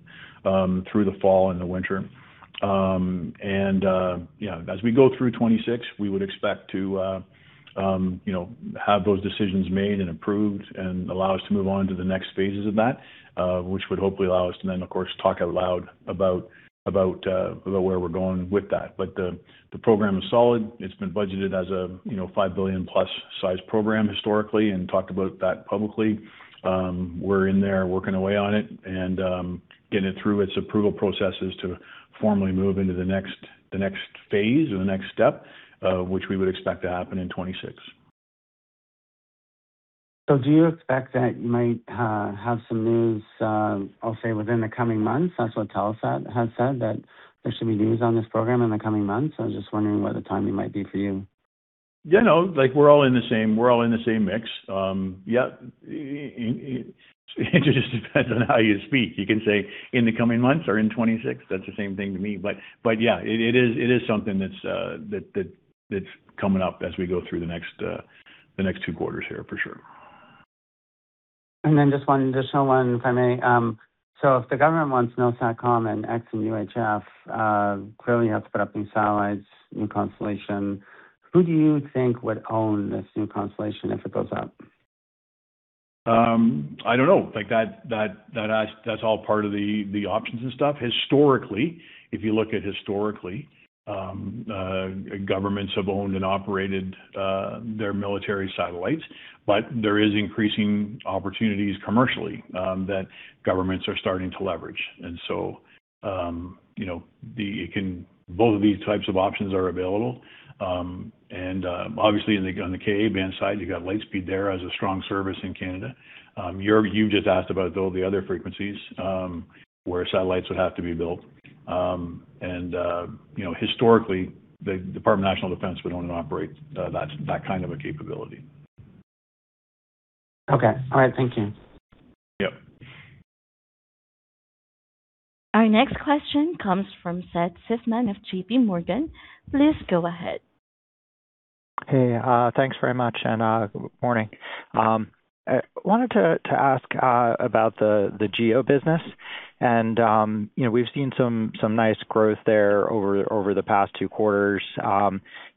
through the fall and the winter. You know, as we go through 2026, we would expect to, you know, have those decisions made and approved and allow us to move on to the next phases of that, which would hopefully allow us to then, of course, talk out loud about where we're going with that. The program is solid. It's been budgeted as a, you know, 5 billion-plus size program historically, and talked about that publicly. We're in there working away on it and getting it through its approval processes to formally move into the next phase or the next step, which we would expect to happen in 2026. Do you expect that you might have some news, I'll say within the coming months? That's what Telesat has said, that there should be news on this program in the coming months. I was just wondering what the timing might be for you. You know, like, we're all in the same mix. Yeah, it just depends on how you speak. You can say in the coming months or in 26, that's the same thing to me. Yeah, it is something that's coming up as we go through the next two quarters here for sure. Just one additional one, if I may. If the government wants MILSATCom and X-band and UHF, clearly you have to put up new satellites, new constellation. Who do you think would own this new constellation if it goes up? I don't know. Like that's all part of the options and stuff. Historically, if you look at historically, governments have owned and operated their military satellites, but there is increasing opportunities commercially that governments are starting to leverage. You know, both of these types of options are available. Obviously on the Ka-band side, you got Lightspeed there as a strong service in Canada. You just asked about though the other frequencies where satellites would have to be built. You know, historically, the Department of National Defence would own and operate that kind of a capability. Okay. All right. Thank you. Yep. Our next question comes from Seth Seifman of JPMorgan. Please go ahead. Thanks very much and good morning. I wanted to ask about the GEO business and, you know, we've seen some nice growth there over the past two quarters. You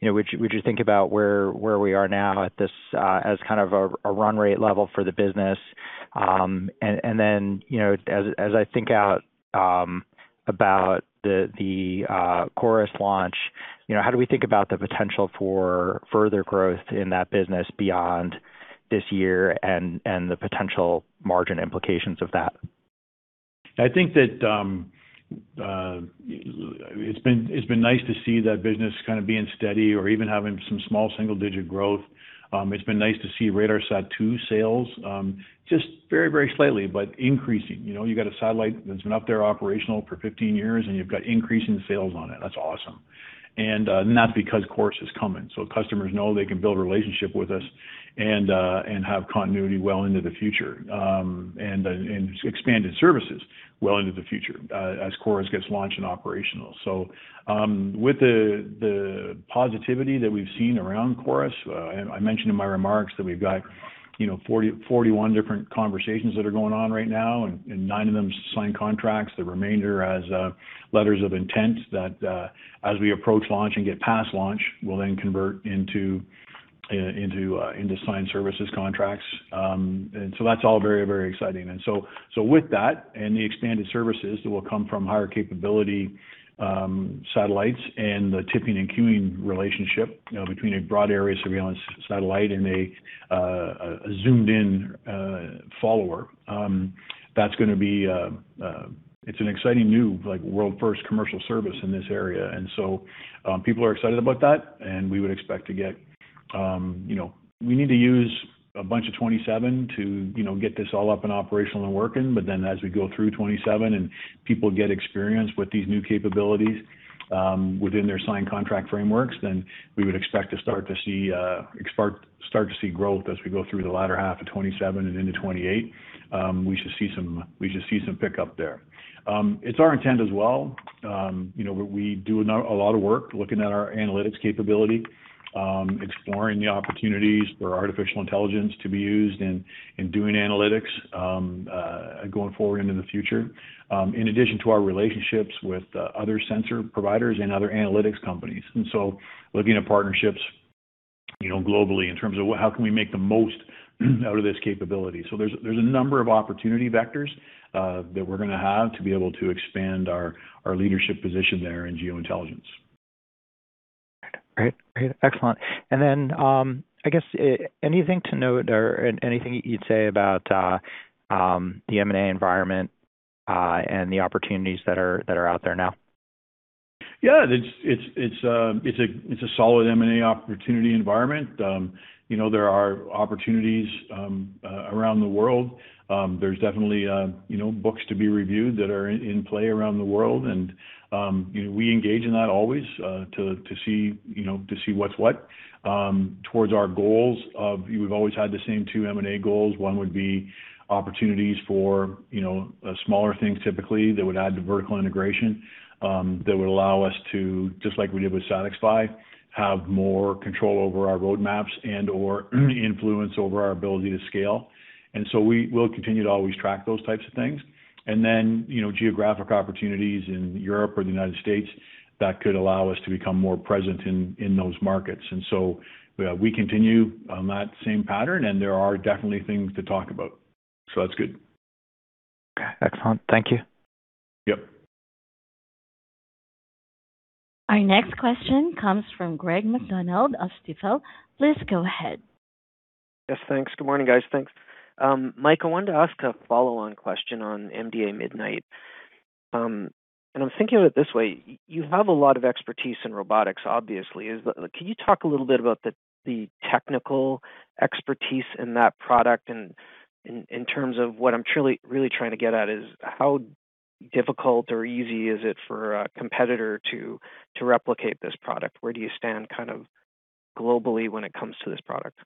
know, would you think about where we are now at this as kind of a run rate level for the business? Then, you know, as I think out about the CHORUS launch. You know, how do we think about the potential for further growth in that business beyond this year and the potential margin implications of that? I think that, it's been nice to see that business kind of being steady or even having some small single-digit growth. It's been nice to see RADARSAT-2 sales, just very, very slightly, but increasing. You know, you got a satellite that's been up there operational for 15 years, and you've got increasing sales on it. That's awesome. Not because MDA CHORUS is coming. Customers know they can build a relationship with us and have continuity well into the future, and expanded services well into the future, as MDA CHORUS gets launched and operational. With the positivity that we've seen around MDA CHORUS, I mentioned in my remarks that we've got, you know, 40, 41 different conversations that are going on right now, and 9 of them signed contracts. The remainder has letters of intent that as we approach launch and get past launch, will then convert into signed services contracts. That's all very, very exciting. With that and the expanded services that will come from higher capability satellites and the tipping and queuing relationship, you know, between a broad area surveillance satellite and a zoomed-in follower, that's gonna be It's an exciting new, like, world first commercial service in this area. People are excited about that, and we would expect to get, you know, we need to use a bunch of 2027 to, you know, get this all up and operational and working. As we go through 2027 and people get experience with these new capabilities, within their signed contract frameworks, we would expect to start to see growth as we go through the latter half of 2027 and into 2028. We should see some pickup there. It's our intent as well. You know, we do a lot of work looking at our analytics capability, exploring the opportunities for artificial intelligence to be used in doing analytics going forward into the future, in addition to our relationships with other sensor providers and other analytics companies. Looking at partnerships, you know, globally in terms of how can we make the most out of this capability. There's a number of opportunity vectors that we're gonna have to be able to expand our leadership position there in geointelligence. Great. Great. Excellent. I guess, anything to note or anything you'd say about the M&A environment and the opportunities that are out there now? Yeah. It's, it's a, it's a solid M&A opportunity environment. You know, there are opportunities around the world. There's definitely, you know, books to be reviewed that are in play around the world. You know, we engage in that always, to see, you know, to see what's what. Towards our goals of. We've always had the same two M&A goals. One would be opportunities for, you know, smaller things typically that would add to vertical integration, that would allow us to, just like we did with SatixFy, have more control over our roadmaps and/or influence over our ability to scale. We will continue to always track those types of things. You know, geographic opportunities in Europe or the U.S. that could allow us to become more present in those markets. We continue on that same pattern, and there are definitely things to talk about. That's good. Okay. Excellent. Thank you. Yep. Our next question comes from Greg MacDonald of Stifel. Please go ahead. Yes, thanks. Good morning, guys. Thanks. Mike, I wanted to ask a follow-on question on MDA Midnight. I'm thinking of it this way. You have a lot of expertise in robotics, obviously. Can you talk a little bit about the technical expertise in that product and in terms of what I'm really trying to get at is how difficult or easy is it for a competitor to replicate this product? Where do you stand kind of globally when it comes to this product?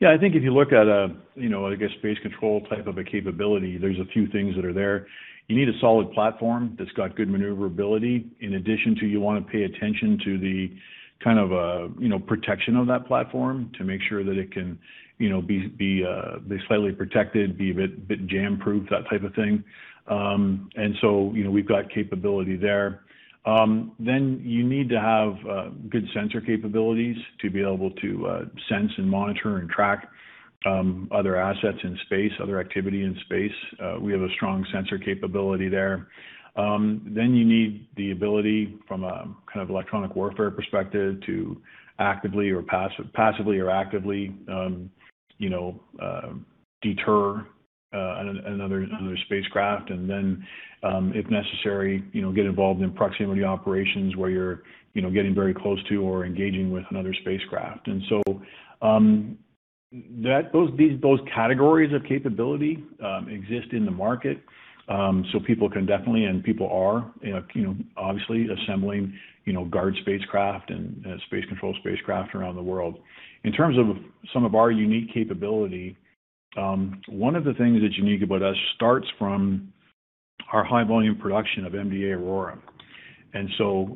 Yeah, I think if you look at a, you know, I guess, space control type of a capability, there's a few things that are there. You need a solid platform that's got good maneuverability. In addition to you wanna pay attention to the kind of, you know, protection of that platform to make sure that it can, you know, be slightly protected, be a bit jam proof, that type of thing. You know, we've got capability there. You need to have good sensor capabilities to be able to sense and monitor and track other assets in space, other activity in space. We have a strong sensor capability there. You need the ability from a kind of electronic warfare perspective to actively or passively or actively, you know, deter another spacecraft. If necessary, you know, get involved in proximity operations where you're, you know, getting very close to or engaging with another spacecraft. Those categories of capability exist in the market, so people can definitely, and people are, you know, obviously assembling, you know, guard spacecraft and space control spacecraft around the world. In terms of some of our unique capability, one of the things that's unique about us starts from our high volume production of MDA AURORA.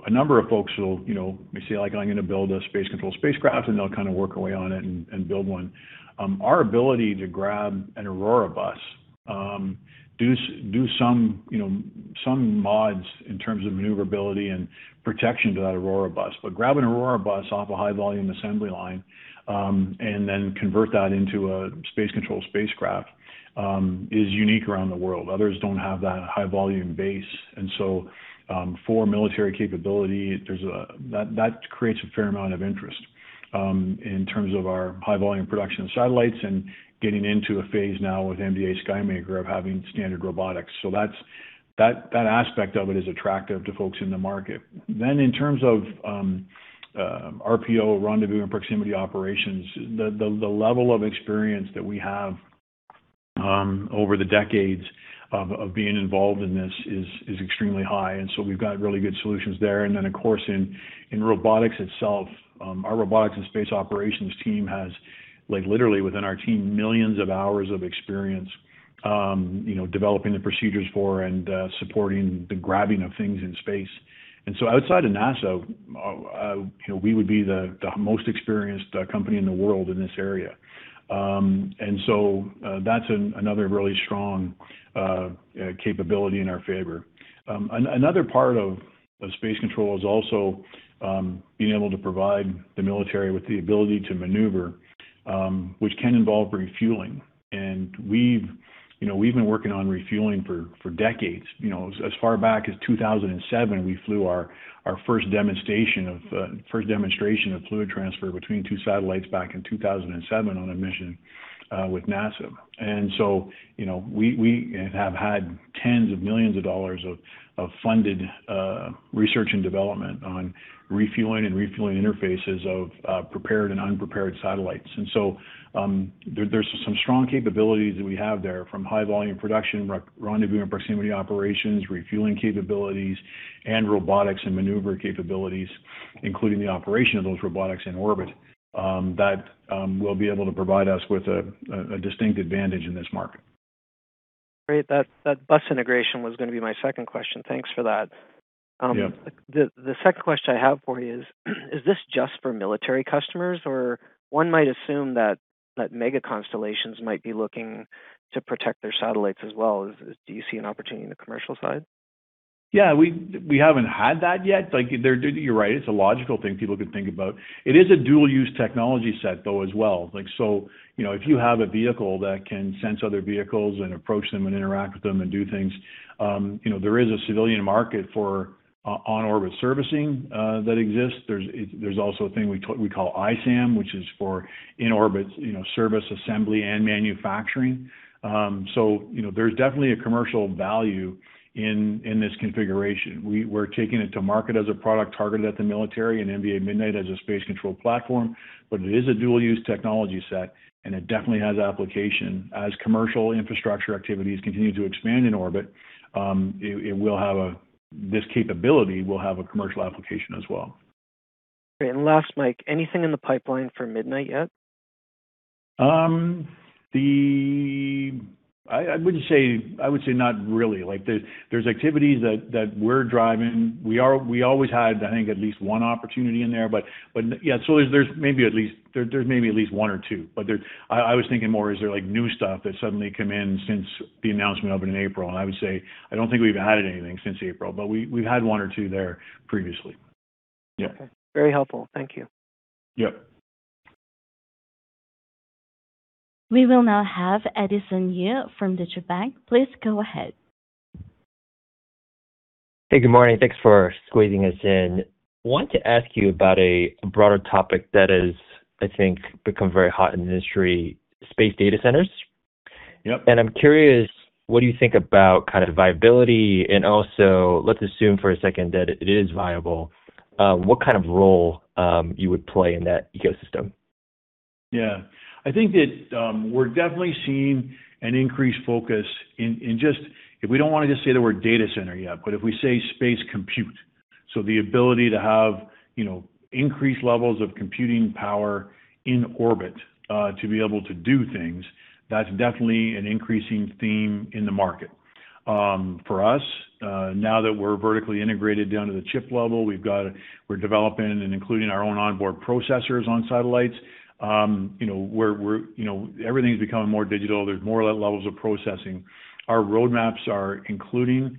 A number of folks will, you know, may say, like, "I'm gonna build a space control spacecraft," and they'll kind of work away on it and build one. Our ability to grab an AURORA bus, do some, you know, some mods in terms of maneuverability and protection to that AURORA bus. Grab an AURORA bus off a high volume assembly line, and then convert that into a space control spacecraft, is unique around the world. Others don't have that high volume base. For military capability, that creates a fair amount of interest. In terms of our high-volume production satellites and getting into a phase now with MDA SKYMAKER of having standard robotics. That aspect of it is attractive to folks in the market. In terms of RPO rendezvous and proximity operations, the level of experience that we have over the decades of being involved in this is extremely high. We've got really good solutions there. Of course in robotics itself, our robotics and space operations team has like, literally within our team, millions of hours of experience, you know, developing the procedures for and supporting the grabbing of things in space. Outside of NASA, you know, we would be the most experienced company in the world in this area. That's another really strong capability in our favor. Another part of space control is also being able to provide the military with the ability to maneuver, which can involve refueling. We've, you know, we've been working on refueling for decades. You know, as far back as 2007, we flew our first demonstration of fluid transfer between two satellites back in 2007 on a mission with NASA. You know, we have had tens of millions of dollars of funded research and development on refueling and refueling interfaces of prepared and unprepared satellites. There's some strong capabilities that we have there from high-volume production, re-rendezvous and proximity operations, refueling capabilities, and robotics and maneuver capabilities, including the operation of those robotics in orbit that will be able to provide us with a distinct advantage in this market. Great. That bus integration was gonna be my second question. Thanks for that. Yeah. The second question I have for you is this just for military customers or one might assume that mega constellations might be looking to protect their satellites as well? Do you see an opportunity in the commercial side? Yeah. We haven't had that yet. Like, you're right, it's a logical thing people could think about. It is a dual use technology set though as well. Like, you know, if you have a vehicle that can sense other vehicles and approach them and interact with them and do things, you know, there is a civilian market for on-orbit servicing that exists. There's also a thing we call ISAM, which is for in-orbit, you know, service, assembly, and manufacturing. You know, there's definitely a commercial value in this configuration. We're taking it to market as a product targeted at the military and MDA MIDNIGHT as a space control platform. It is a dual use technology set, and it definitely has application. As commercial infrastructure activities continue to expand in orbit, this capability will have a commercial application as well. Great. Last, Mike, anything in the pipeline for MDA MIDNIGHT yet? I would say not really. Like, there's activities that we're driving. We always had, I think, at least one opportunity in there, but yeah. There's maybe at least one or two. I was thinking more is there like, new stuff that's suddenly come in since the announcement of it in April? I would say I don't think we've added anything since April, but we've had one or two there previously. Okay. Very helpful. Thank you. Yep. We will now have Edison Yu from Deutsche Bank. Please go ahead. Hey, good morning. Thanks for squeezing us in. Wanted to ask you about a broader topic that has, I think, become very hot in the industry, space data centers. Yep. I'm curious, what do you think about kind of viability and also let's assume for a second that it is viable, what kind of role you would play in that ecosystem? Yeah. I think that, we're definitely seeing an increased focus in just We don't wanna just say the word data center yet, but if we say space compute. The ability to have, you know, increased levels of computing power in orbit, to be able to do things, that's definitely an increasing theme in the market. For us, now that we're vertically integrated down to the chip level, we're developing and including our own onboard processors on satellites. You know, we're You know, everything's becoming more digital. There's more levels of processing. Our roadmaps are including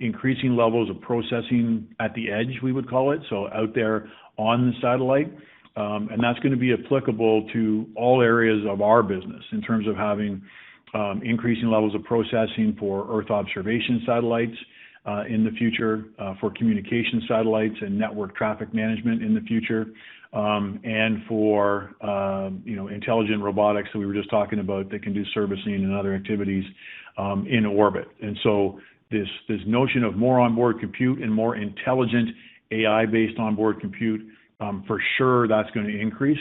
increasing levels of processing at the edge, we would call it, so out there on the satellite. That's gonna be applicable to all areas of our business in terms of having increasing levels of processing for Earth observation satellites, in the future, for communication satellites and network traffic management in the future, and for, you know, intelligent robotics that we were just talking about that can do servicing and other activities, in orbit. This, this notion of more onboard compute and more intelligent AI-based onboard compute, for sure that's gonna increase.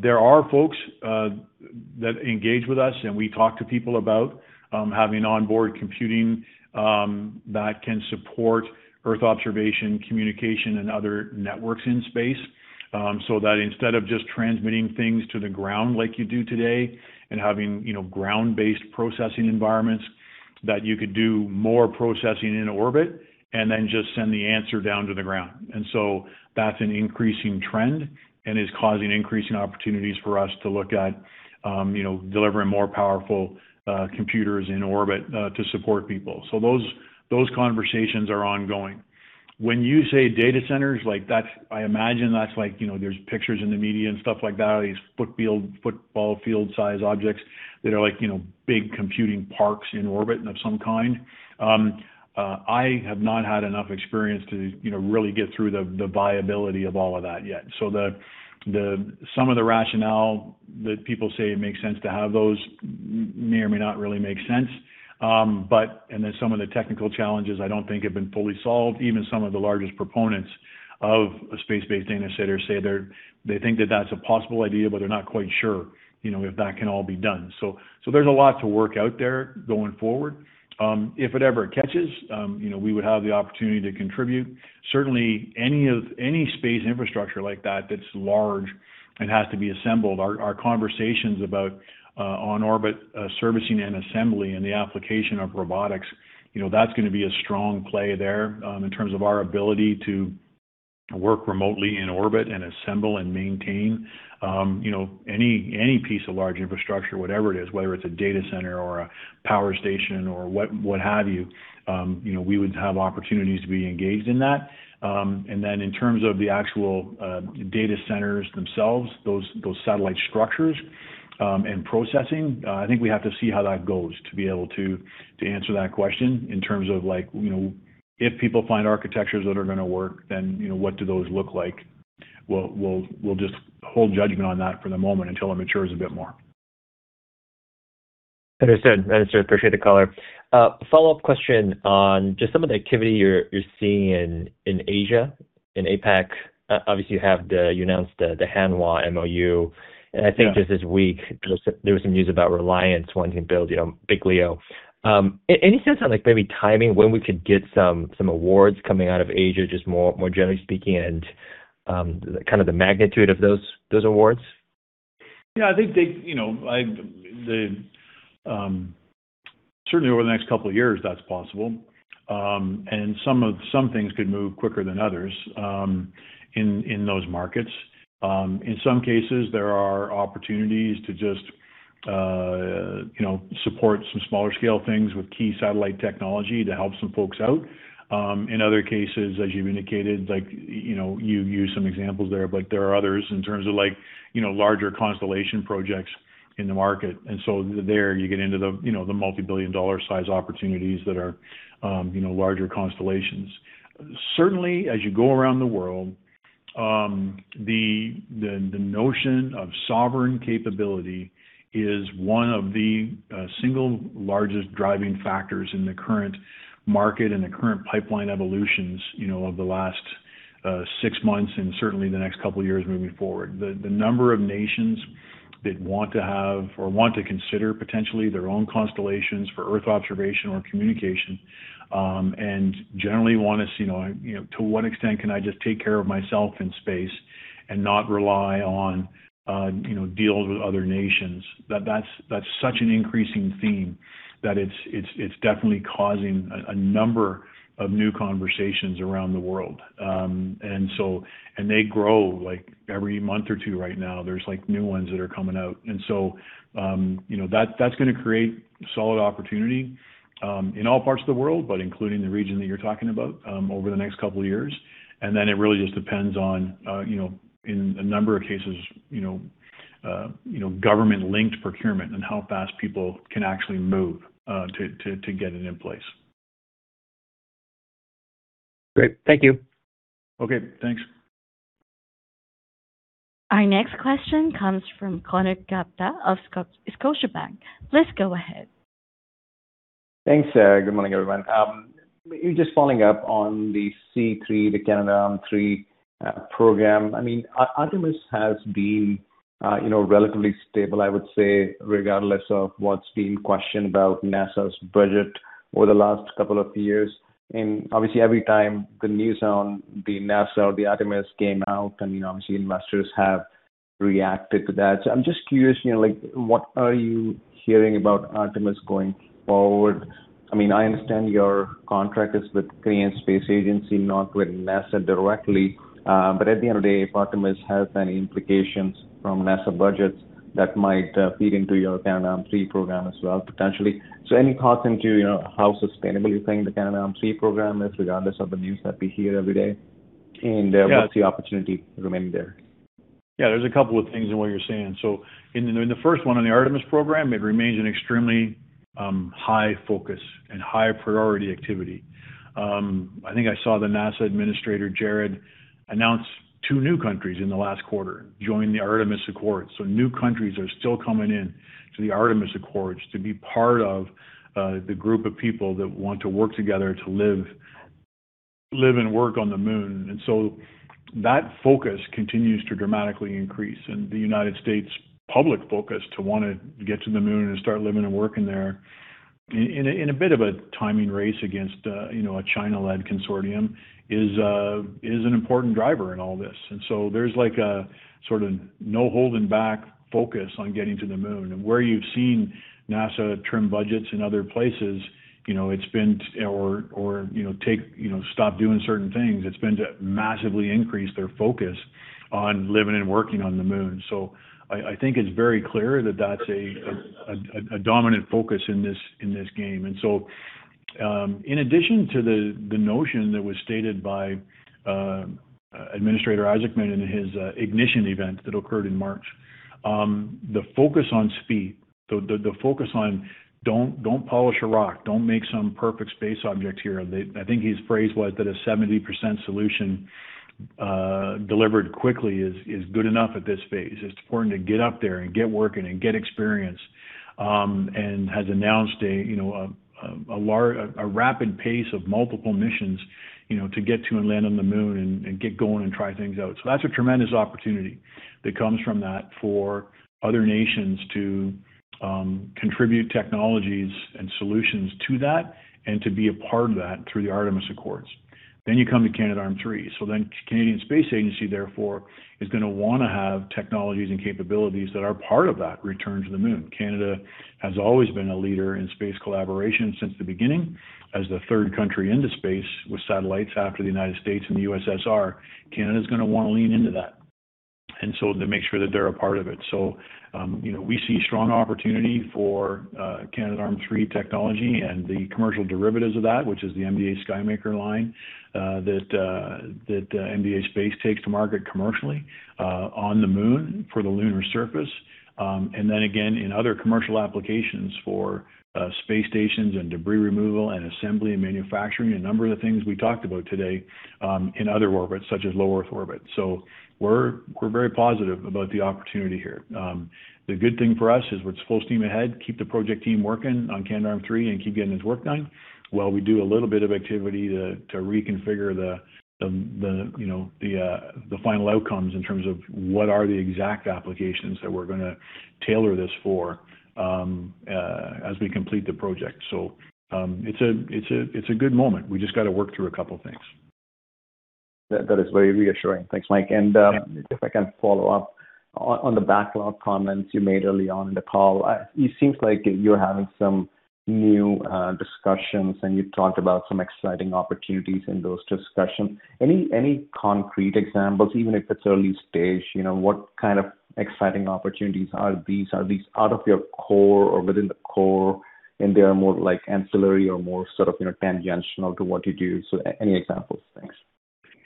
There are folks that engage with us, and we talk to people about having onboard computing that can support Earth observation, communication, and other networks in space. That instead of just transmitting things to the ground like you do today and having, you know, ground-based processing environments that you could do more processing in orbit and then just send the answer down to the ground. That's an increasing trend and is causing increasing opportunities for us to look at, you know, delivering more powerful computers in orbit to support people. Those, those conversations are ongoing. When you say data centers like that, I imagine that's like, you know, there's pictures in the media and stuff like that of these football field-size objects that are like, you know, big computing parks in orbit of some kind. I have not had enough experience to, you know, really get through the viability of all of that yet. The rationale that people say it makes sense to have those may or may not really make sense. Some of the technical challenges I don't think have been fully solved. Even some of the largest proponents of a space-based data center say they think that that's a possible idea, but they're not quite sure, you know, if that can all be done. There's a lot to work out there going forward. If it ever catches, you know, we would have the opportunity to contribute. Certainly, any space infrastructure like that that's large and has to be assembled, our conversations about on orbit servicing and assembly and the application of robotics, you know, that's gonna be a strong play there, in terms of our ability to work remotely in orbit and assemble and maintain, you know, any piece of large infrastructure, whatever it is, whether it's a data center or a power station or what have you know, we would have opportunities to be engaged in that. In terms of the actual data centers themselves, those satellite structures and processing, I think we have to see how that goes to be able to answer that question in terms of like, you know, if people find architectures that are gonna work, then, you know, what do those look like? We'll just hold judgment on that for the moment until it matures a bit more. Understood. Understood. Appreciate the color. A follow-up question on just some of the activity you're seeing in Asia, in APAC. Obviously, you announced the Hanwha MOU. Yeah. I think just this week there was some news about Reliance wanting to build, you know, big LEO. Any sense on, like, maybe timing, when we could get some awards coming out of Asia, just more generally speaking and, kind of the magnitude of those awards? Yeah, I think they, you know, the certainly over the next couple of years, that's possible. Some things could move quicker than others, in those markets. In some cases, there are opportunities to just, you know, support some smaller scale things with key satellite technology to help some folks out. In other cases, as you've indicated, like, you know, you used some examples there, but there are others in terms of like, you know, larger constellation projects in the market. There you get into the, you know, the multi-billion dollar size opportunities that are, you know, larger constellations. Certainly, as you go around the world, the notion of sovereign capability is one of the single largest driving factors in the current market and the current pipeline evolutions, you know, of the last six months and certainly the next couple of years moving forward. The number of nations that want to have or want to consider potentially their own constellations for Earth observation or communication, and generally want to, you know, you know, to what extent can I just take care of myself in space and not rely on, you know, deals with other nations. That, that's such an increasing theme that it's, it's definitely causing a number of new conversations around the world. They grow, like, every month or two right now. There's, like, new ones that are coming out. You know, that's gonna create solid opportunity in all parts of the world, but including the region that you're talking about, over the next couple of years. It really just depends on, you know, in a number of cases, you know, government-linked procurement and how fast people can actually move to get it in place. Great. Thank you. Okay, thanks. Our next question comes from Konark Gupta of Scotiabank. Please go ahead. Thanks. Good morning, everyone. Just following up on the C3, the Canadarm3, program. I mean, Artemis has been, you know, relatively stable, I would say, regardless of what's been questioned about NASA's budget over the last couple of years. Obviously, every time the news on the NASA or the Artemis came out, and, you know, obviously investors have reacted to that. I'm just curious, you know, like, what are you hearing about Artemis going forward? I mean, I understand your contract is with Canadian Space Agency, not with NASA directly. At the end of the day, if Artemis has any implications from NASA budgets, that might, feed into your Canadarm3 program as well, potentially. Any thoughts into, you know, how sustainable you think the Canadarm3 program is regardless of the news that we hear every day? Yeah What's the opportunity remaining there? Yeah, there's a couple of things in what you're saying. In the first one on the Artemis program, it remains an extremely high focus and high priority activity. I think I saw the NASA Administrator, Jared Isaacman, announce two new countries in the last quarter join the Artemis Accords. New countries are still coming in to the Artemis Accords to be part of the group of people that want to work together to live and work on the Moon. That focus continues to dramatically increase. The United States public focus to wanna get to the Moon and start living and working there in a bit of a timing race against, you know, a China-led consortium is an important driver in all this. There's like a sort of no holding back focus on getting to the Moon. Where you've seen NASA trim budgets in other places, you know, it's been or, you know, take, you know, stop doing certain things, it's been to massively increase their focus on living and working on the Moon. I think it's very clear that that's a dominant focus in this game. In addition to the notion that was stated by Administrator Isaacman in his ignition event that occurred in March, the focus on speed, the focus on don't polish a rock, don't make some perfect space object here. I think his phrase was that a 70% solution delivered quickly is good enough at this phase. It's important to get up there and get working and get experience, and has announced a, you know, a large, rapid pace of multiple missions, you know, to get to and land on the Moon and get going and try things out. That's a tremendous opportunity that comes from that for other nations to contribute technologies and solutions to that and to be a part of that through the Artemis Accords. You come to Canadarm3. Canadian Space Agency therefore is gonna wanna have technologies and capabilities that are part of that return to the Moon. Canada has always been a leader in space collaboration since the beginning as the third country into space with satellites after the U.S. and the USSR. Canada's gonna wanna lean into that, to make sure that they're a part of it. You know, we see strong opportunity for Canadarm3 technology and the commercial derivatives of that, which is the MDA SKYMAKER line that MDA Space takes to market commercially on the moon for the lunar surface. Again in other commercial applications for space stations and debris removal and assembly and manufacturing, a number of the things we talked about today, in other orbits such as low Earth orbit. We're very positive about the opportunity here. The good thing for us is it's full steam ahead. Keep the project team working on Canadarm3 and keep getting its work done while we do a little bit of activity to reconfigure the, you know, the final outcomes in terms of what are the exact applications that we're gonna tailor this for as we complete the project. It's a good moment. We just gotta work through a couple things. That is very reassuring. Thanks, Mike. If I can follow up on the backlog comments you made early on in the call. It seems like you're having some new discussions, and you've talked about some exciting opportunities in those discussions. Any concrete examples, even if it's early stage, you know, what kind of exciting opportunities are these? Are these out of your core or within the core and they are more like ancillary or more sort of, you know, tangential to what you do? Any examples? Thanks.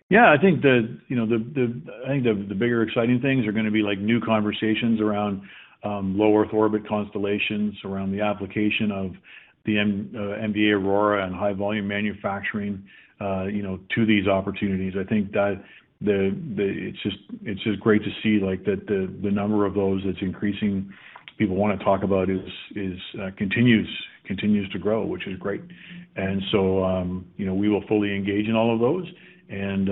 Yeah, I think the, you know, I think the bigger exciting things are gonna be like new conversations around low Earth orbit constellations around the application of the MDA AURORA and high volume manufacturing, you know, to these opportunities. I think that it's just great to see like the number of those that's increasing people want to talk about is continues to grow, which is great. You know, we will fully engage in all of those and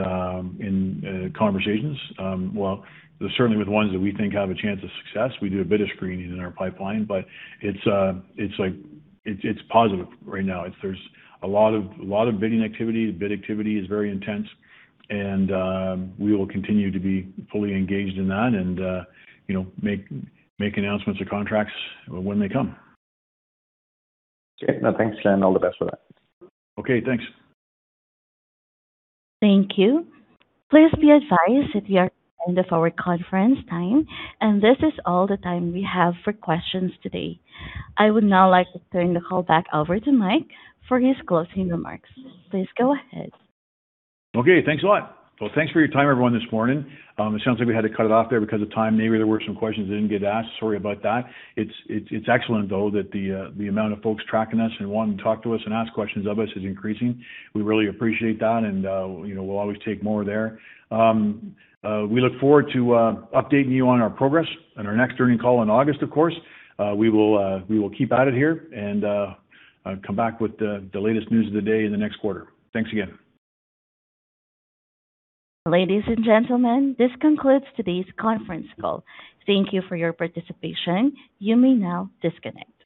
in conversations, well certainly with ones that we think have a chance of success. We do a bit of screening in our pipeline, but it's like it's positive right now. It's, there's a lot of bidding activity. The bid activity is very intense and we will continue to be fully engaged in that and, you know, make announcements or contracts when they come. Great. No, thanks. All the best with that. Okay, thanks. Thank you. Please be advised that we are at the end of our conference time. This is all the time we have for questions today. I would now like to turn the call back over to Mike Greenley for his closing remarks. Please go ahead. Thanks a lot. Thanks for your time, everyone, this morning. It sounds like we had to cut it off there because of time. Maybe there were some questions that didn't get asked. Sorry about that. It's excellent though that the amount of folks tracking us and wanting to talk to us and ask questions of us is increasing. We really appreciate that and, you know, we'll always take more there. We look forward to updating you on our progress on our next earning call in August of course. We will keep at it here and come back with the latest news of the day in the next quarter. Thanks again. Ladies and gentlemen, this concludes today's conference call. Thank you for your participation. You may now disconnect.